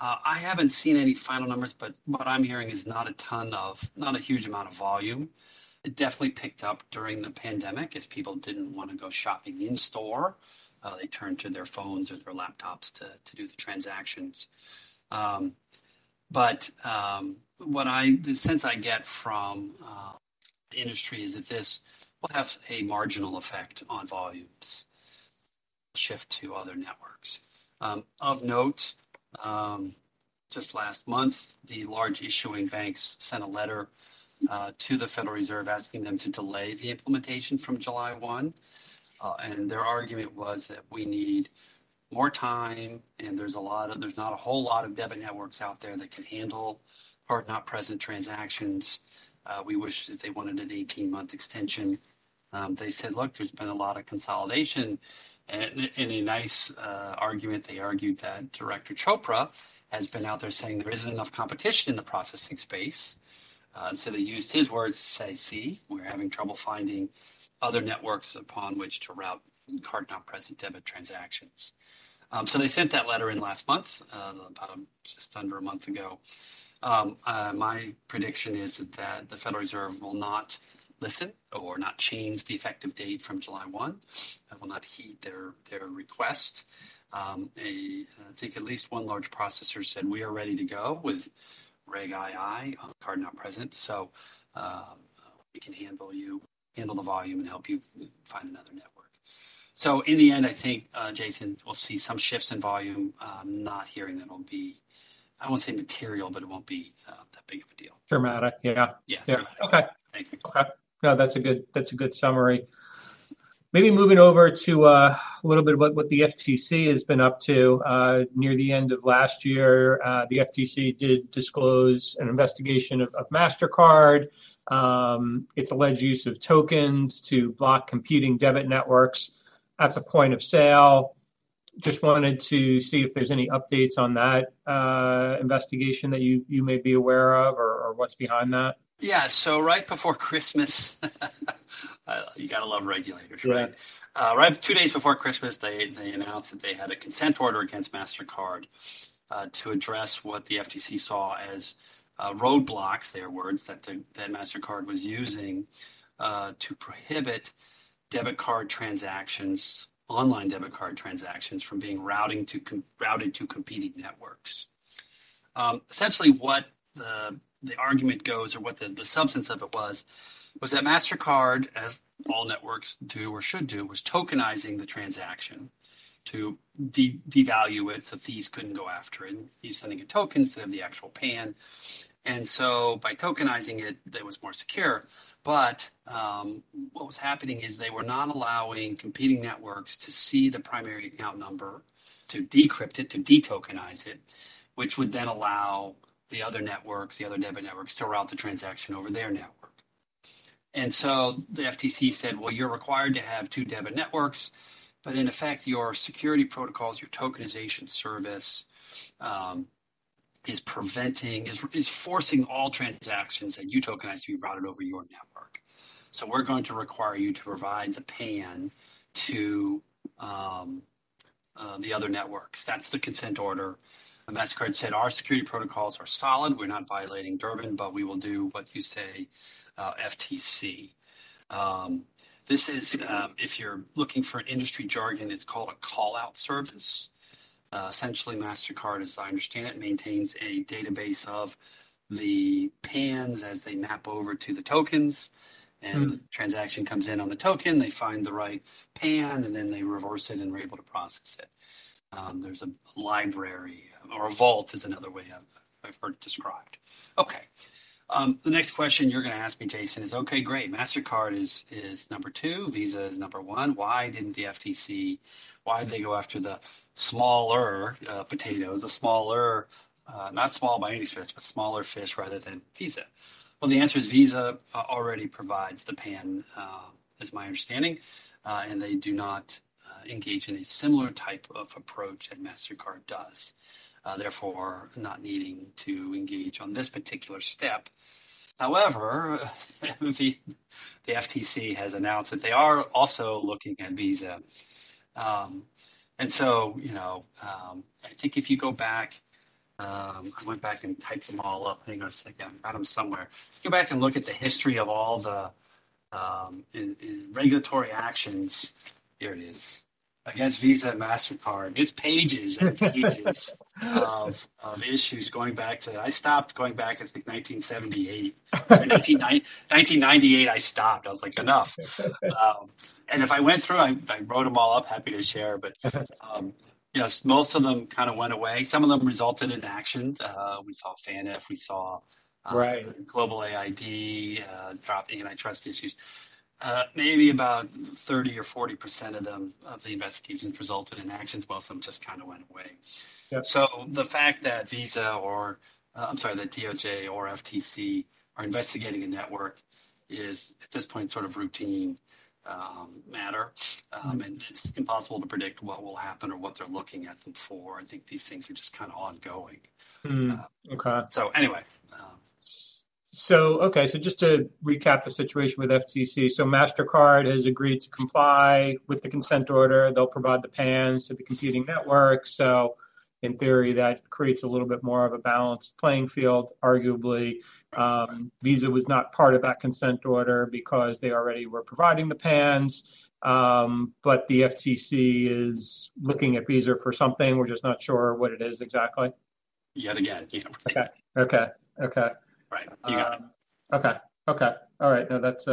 I haven't seen any final numbers, but what I'm hearing is not a huge amount of volume. It definitely picked up during the pandemic as people didn't want to go shopping in store. They turned to their phones or their laptops to do the transactions. The sense I get from the industry is that this will have a marginal effect on volumes shift to other networks. Of note, just last month, the large issuing banks sent a letter to the Federal Reserve asking them to delay the implementation from July 1. Their argument was that we need more time, there's not a whole lot of debit networks out there that can handle card-not-present transactions. We wish that they wanted an 18-month extension. They said, "Look, there's been a lot of consolidation." In a nice argument, they argued that Director Chopra has been out there saying there isn't enough competition in the processing space. They used his words to say, "See, we're having trouble finding other networks upon which to route card-not-present debit transactions." They sent that letter in last month, about just under a month ago. My prediction is that the Federal Reserve will not listen or not change the effective date from July 1, will not heed their request. I think at least one large processor said, "We are ready to go with Regulation II on card-not-present, so, we can handle the volume, and help you find another network." In the end, I think, Jason, we'll see some shifts in volume. Not hearing that'll be, I won't say material, but it won't be that big of a deal.
Dramatic. Yeah.
Yeah.
Yeah. Okay.
Thank you.
No, that's a good, that's a good summary. Maybe moving over to a little bit what the FTC has been up to. Near the end of last year, the FTC did disclose an investigation of Mastercard, its alleged use of tokens to block competing debit networks at the point of sale. Just wanted to see if there's any updates on that investigation that you may be aware of or what's behind that.
Yeah. Right before Christmas, you gotta love regulators, right?
Right.
Right, two days before Christmas, they announced that they had a consent order against Mastercard to address what the FTC saw as roadblocks, their words, that Mastercard was using to prohibit debit card transactions, online debit card transactions from being routed to competing networks. Essentially what the argument goes or what the substance of it was that Mastercard, as all networks do or should do, was tokenizing the transaction to devalue it so thieves couldn't go after it. You're sending a token instead of the actual PAN. By tokenizing it, that was more secure. What was happening is they were not allowing competing networks to see the primary account number to decrypt it, to detokenize it, which would then allow the other networks, the other debit networks, to route the transaction over their network. The FTC said, "Well, you're required to have two debit networks, but in effect your security protocols, your tokenization service, is preventing, is forcing all transactions that you tokenize to be routed over your network. So we're going to require you to provide the PAN to the other networks." That's the consent order. Mastercard said, "Our security protocols are solid. We're not violating Durbin, but we will do what you say, FTC." This is, if you're looking for an industry jargon, it's called a call-out service. Essentially Mastercard, as I understand it, maintains a database of the PANs as they map over to the tokens.
Mm-hmm.
The transaction comes in on the token, they find the right PAN, and then they reverse it and are able to process it. There's a library or a vault is another way I've heard it described. Okay. The next question you're gonna ask me, Jason, is, okay, great, Mastercard is number two, Visa is number one. Why didn't the FTC? Why did they go after the smaller potatoes, the smaller, not small by any stretch, but smaller fish rather than Visa? The answer is Visa already provides the PAN, is my understanding, and they do not engage in a similar type of approach that Mastercard does, therefore not needing to engage on this particular step. The FTC has announced that they are also looking at Visa. you know, I think if you go back. I went back and typed them all up. Hang on a second. I've got them somewhere. If you go back and look at the history of all the regulatory actions, here it is, against Visa and Mastercard, it's pages and pages of issues going back to. I stopped going back, I think 1978. In 1998, I stopped. I was like, "Enough." If I went through, I wrote them all up, happy to share, but, you know, most of them kind of went away. Some of them resulted in actions. We saw Faneuf. We saw.
Right
[Global ID drop] antitrust issues. Maybe about 30% or 40% of them, of the investigations resulted in actions, while some just kind of went away.
Yep.
The fact that Visa or, I'm sorry, the DOJ or FTC are investigating a network is, at this point, sort of routine matter. It's impossible to predict what will happen or what they're looking at them for. I think these things are just kind of ongoing.
Okay.
Anyway.
Okay. Just to recap the situation with FTC, so Mastercard has agreed to comply with the consent order. They'll provide the PANs to the competing networks. In theory, that creates a little bit more of a balanced playing field, arguably. Visa was not part of that consent order because they already were providing the PANs. The FTC is looking at Visa for something. We're just not sure what it is exactly.
Yet again, yeah.
Okay. Okay. Okay.
Right. You got it.
Okay. Okay. All right. No, that's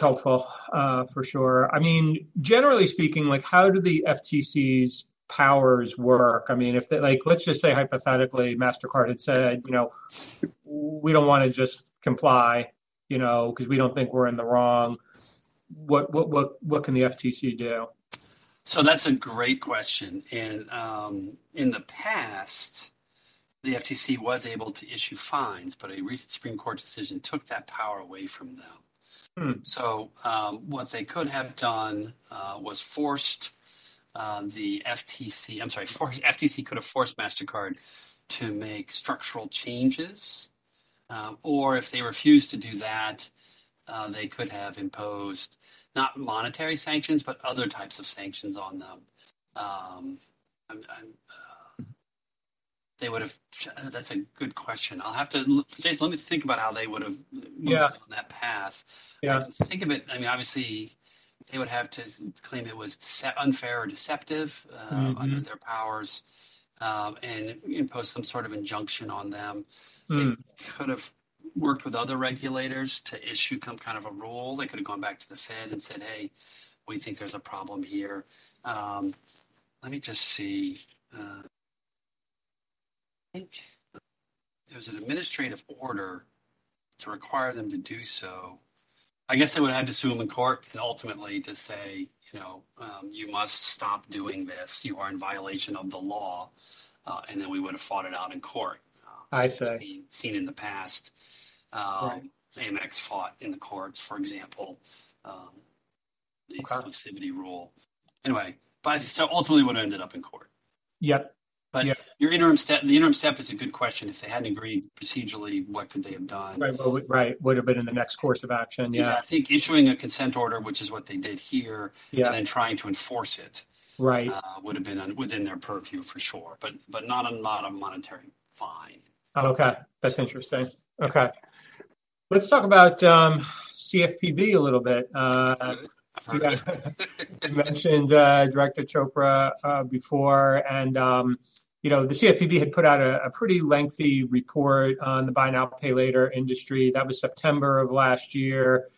helpful, for sure. I mean, generally speaking, like, how do the FTC's powers work? I mean, let's just say hypothetically, Mastercard had said, you know- "We don't wanna just comply, you know, because we don't think we're in the wrong." What can the FTC do?
That's a great question. In the past, the FTC was able to issue fines, but a recent Supreme Court decision took that power away from them.
Hmm.
What they could have done was forced the FTC. I'm sorry, FTC could have forced Mastercard to make structural changes. If they refused to do that, they could have imposed not monetary sanctions, but other types of sanctions on them. I'm... They would've... That's a good question. I'll have to Jason, let me think about how they would have mostly-
Yeah...
gone down that path.
Yeah.
Think of it... I mean, obviously, they would have to claim it was unfair or deceptive...
Mm-hmm...
under their powers, and impose some sort of injunction on them.
Hmm.
They could've worked with other regulators to issue some kind of a rule. They could have gone back to the Fed and said, "Hey, we think there's a problem here." Let me just see. I think there was an administrative order to require them to do so. I guess they would've had to sue them in court ultimately to say, you know, "You must stop doing this. You are in violation of the law." Then we would've fought it out in court.
I see....
as we've seen in the past.
Right...
Amex fought in the courts, for example...
Okay
the exclusivity rule. Anyway, ultimately it would've ended up in court.
Yep. Yep.
Your interim step, the interim step is a good question. If they hadn't agreed procedurally, what could they have done?
Right. Well, Right. Would've been in the next course of action. Yeah.
Yeah. I think issuing a consent order, which is what they did here.
Yeah...
and then trying to enforce it.
Right...
would've been un- within their purview for sure, but not a monetary fine.
Okay. That's interesting. Okay. Let's talk about CFPB a little bit. You mentioned Director Chopra before, and, you know, the CFPB had put out a pretty lengthy report on the buy now, pay later industry. That was September of last year.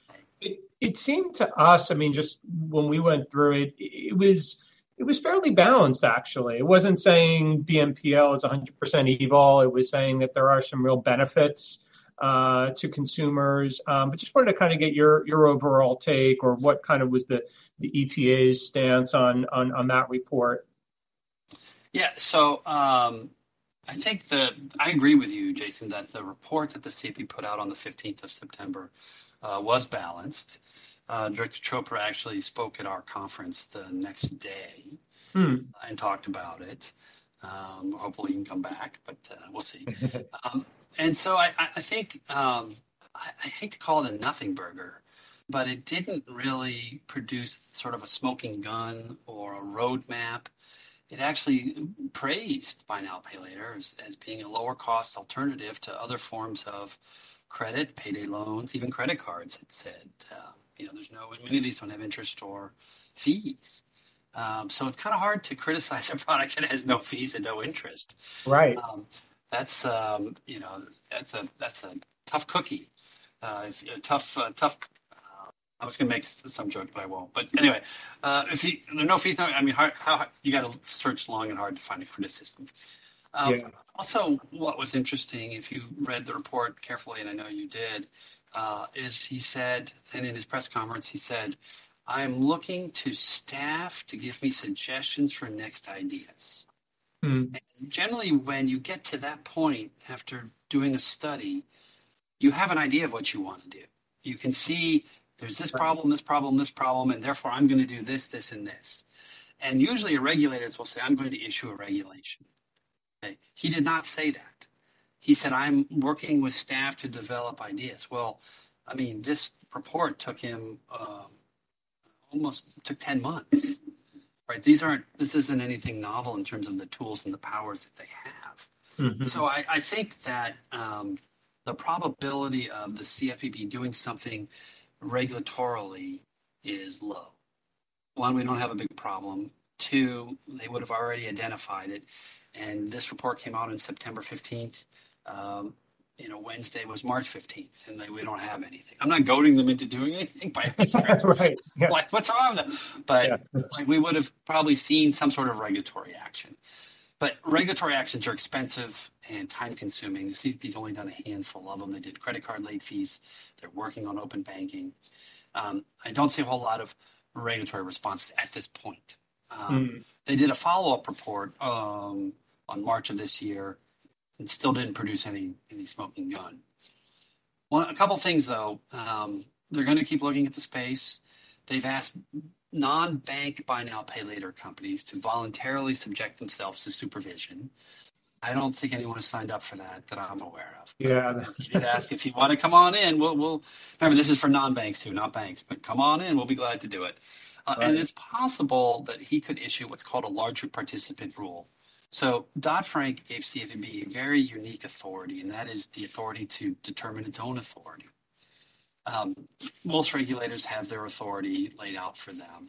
It seemed to us, I mean, just when we went through it was fairly balanced actually. It wasn't saying BNPL is 100% evil. It was saying that there are some real benefits to consumers. I just wanted to kind of get your overall take or what kind of was the ETA's stance on that report.
I agree with you, Jason, that the report that the CFPB put out on the 15th of September was balanced. Director Chopra actually spoke at our conference the next day.
Hmm...
and talked about it. Hopefully he can come back, but we'll see. I think I hate to call it a nothing burger, but it didn't really produce sort of a smoking gun or a roadmap. It actually praised buy now, pay later as being a lower cost alternative to other forms of credit, payday loans, even credit cards. It said, you know, many of these don't have interest or fees. It's kinda hard to criticize a product that has no fees and no interest.
Right.
That's, you know, that's a tough cookie. It's a tough I was gonna make some joke, but I won't. Anyway, if there are no fees, I mean, how... You gotta search long and hard to find a criticism.
Yeah.
What was interesting, if you read the report carefully, and I know you did, is he said, and in his press conference, he said, "I am looking to staff to give me suggestions for next ideas.
Hmm.
Generally, when you get to that point after doing a study, you have an idea of what you wanna do. You can see there's this problem...
Right...
this problem, Therefore I'm gonna do this, and this. Usually regulators will say, "I'm going to issue a regulation." Okay? He did not say that. He said, "I'm working with staff to develop ideas." Well, I mean, this report took him, took 10 months, right? this isn't anything novel in terms of the tools and the powers that they have.
Mm-hmm.
I think that the probability of the CFPB doing something regulatorily is low. One, we don't have a big problem. Two, they would've already identified it, and this report came out on September 15th. you know, Wednesday was March 15th. We don't have anything. I'm not goading them into doing anything by any stretch.
That's right. Yeah.
Like, "What's wrong?
Yeah.
Like, we would've probably seen some sort of regulatory action. Regulatory actions are expensive and time-consuming. The CFPB's only done a handful of them. They did credit card late fees. They're working on open banking. I don't see a whole lot of regulatory response at this point.
Mm.
They did a follow-up report, on March of this year and still didn't produce any smoking gun. A couple things, though. They're gonna keep looking at the space. They've asked non-bank buy now, pay later companies to voluntarily subject themselves to supervision. I don't think anyone has signed up for that that I'm aware of.
Yeah.
He did ask, "If you wanna come on in, we'll..." Remember, this is for non-banks who are not banks, "But come on in, we'll be glad to do it.
Right.
It's possible that he could issue what's called a larger participant rule. Dodd-Frank gave CFPB a very unique authority, and that is the authority to determine its own authority. Most regulators have their authority laid out for them.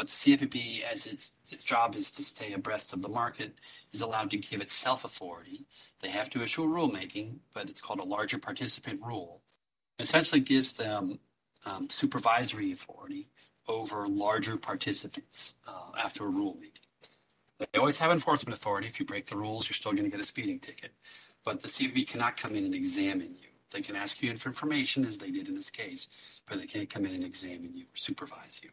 CFPB, as its job is to stay abreast of the market, is allowed to give itself authority. They have to issue a rulemaking, but it's called a larger participant rule. Essentially gives them supervisory authority over larger participants after a rulemaking. They always have enforcement authority. If you break the rules, you're still gonna get a speeding ticket, but the CFPB cannot come in and examine you. They can ask you for information, as they did in this case, but they can't come in and examine you or supervise you.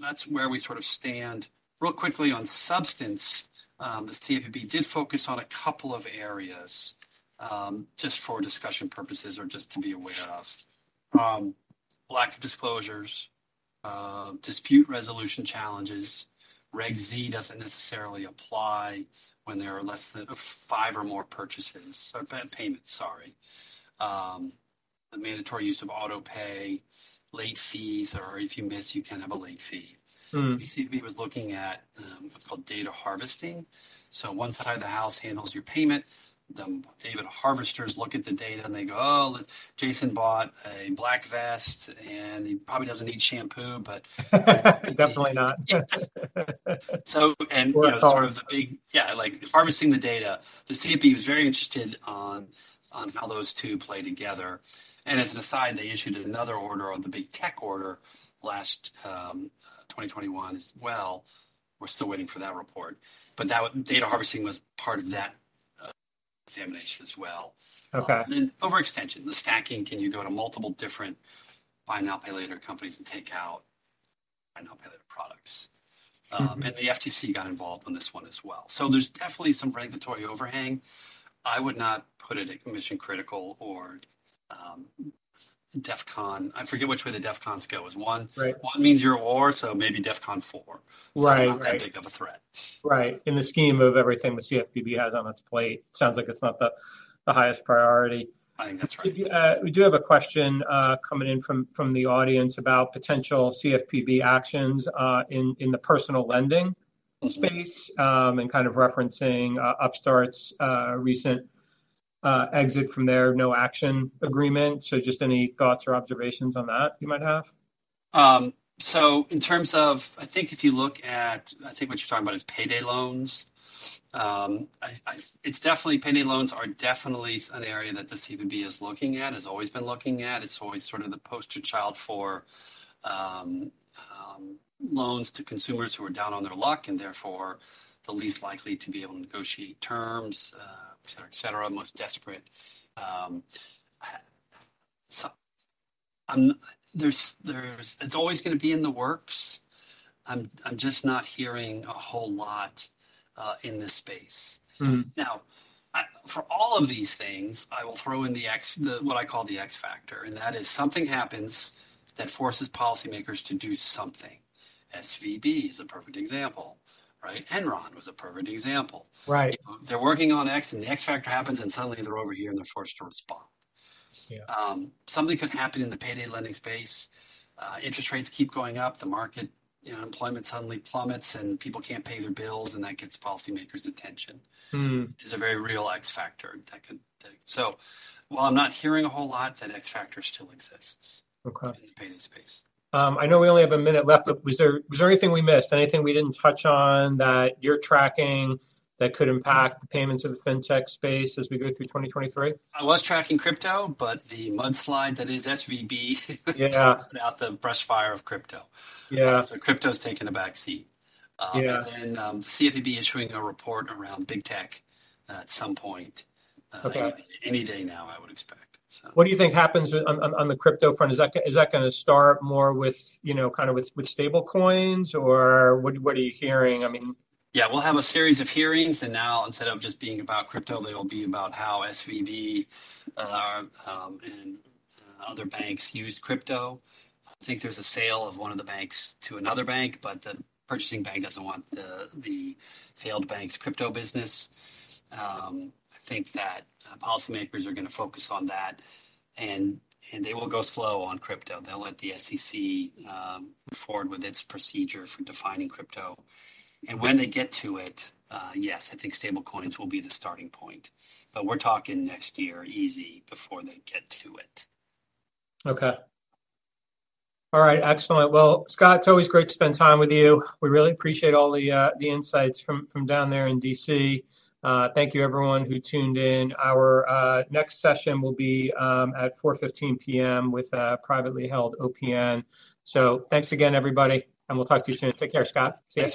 That's where we sort of stand. Real quickly on substance, the CFPB did focus on a couple of areas, just for discussion purposes or just to be aware of. Lack of disclosures, dispute resolution challenges. Regulation Z doesn't necessarily apply when there are less than five or more purchases, or payments, sorry. The mandatory use of auto-pay, late fees, or if you miss, you can have a late fee.
Hmm.
The CFPB was looking at, what's called data harvesting. One side of the house handles your payment. The data harvesters look at the data, and they go, "Oh, Jason bought a black vest, and he probably doesn't need shampoo, but...
Definitely not.
Yeah.
A collar....
you know, Yeah, like harvesting the data. The CFPB was very interested on how those two play together. As an aside, they issued another order on the big tech order last 2021 as well. We're still waiting for that report. That data harvesting was part of that examination as well.
Okay.
Overextension, the stacking. Can you go to multiple different buy now, pay later companies and take out buy now, pay later products?
Mm-hmm.
The FTC got involved on this one as well. There's definitely some regulatory overhang. I would not put it at mission critical or DEFCON. I forget which way the DEFCONs go.
Right.
One means you're at war, so maybe DEFCON Four.
Right. Right.
It's not that big of a threat.
Right. In the scheme of everything the CFPB has on its plate, sounds like it's not the highest priority.
I think that's right.
We do have a question coming in from the audience about potential CFPB actions in the personal lending space...
Mm-hmm...
and kind of referencing Upstart's recent exit from their no-action agreement. Just any thoughts or observations on that you might have?
In terms of, I think if you look at, I think what you're talking about is payday loans. It's definitely, payday loans are definitely an area that the CFPB is looking at, has always been looking at. It's always sort of the poster child for, loans to consumers who are down on their luck, and therefore the least likely to be able to negotiate terms, et cetera, et cetera, most desperate. There's, it's always gonna be in the works. I'm just not hearing a whole lot in this space.
Hmm.
Now, For all of these things, I will throw in the what I call the X factor, that is something happens that forces policymakers to do something. SVB is a perfect example, right? Enron was a perfect example.
Right.
They're working on X, and the X factor happens, and suddenly they're over here, and they're forced to respond.
Yeah.
Something could happen in the payday lending space. Interest rates keep going up. The market, you know, employment suddenly plummets, and people can't pay their bills, and that gets policymakers' attention.
Hmm.
Is a very real X factor that could. While I'm not hearing a whole lot, that X factor still exists.
Okay...
in the payday space.
I know we only have a minute left, was there anything we missed? Anything we didn't touch on that you're tracking that could impact the payments or the fintech space as we go through 2023?
I was tracking crypto, but the mudslide that is SVB.
Yeah.
Put out the brush fire of crypto.
Yeah.
Crypto's taken a back seat.
Yeah.
Then, the CFPB is issuing a report around big tech at some point.
Okay.
Any day now, I would expect, so.
What do you think happens with... on the crypto front? Is that gonna start more with, you know, kind of with stable coins, or what are you hearing? I mean...
Yeah. We'll have a series of hearings, instead of just being about crypto, they'll be about how SVB and other banks used crypto. I think there's a sale of one of the banks to another bank, the purchasing bank doesn't want the failed bank's crypto business. I think that policymakers are gonna focus on that, and they will go slow on crypto. They'll let the SEC move forward with its procedure for defining crypto. When they get to it, yes, I think stable coins will be the starting point. We're talking next year easy before they get to it.
Okay. All right. Excellent. Well, Scott, it's always great to spend time with you. We really appreciate all the insights from down there in D.C. Thank you everyone who tuned in. Our next session will be at 4:15 P.M. with a privately held OPN. Thanks again, everybody, and we'll talk to you soon. Take care, Scott. See you soon.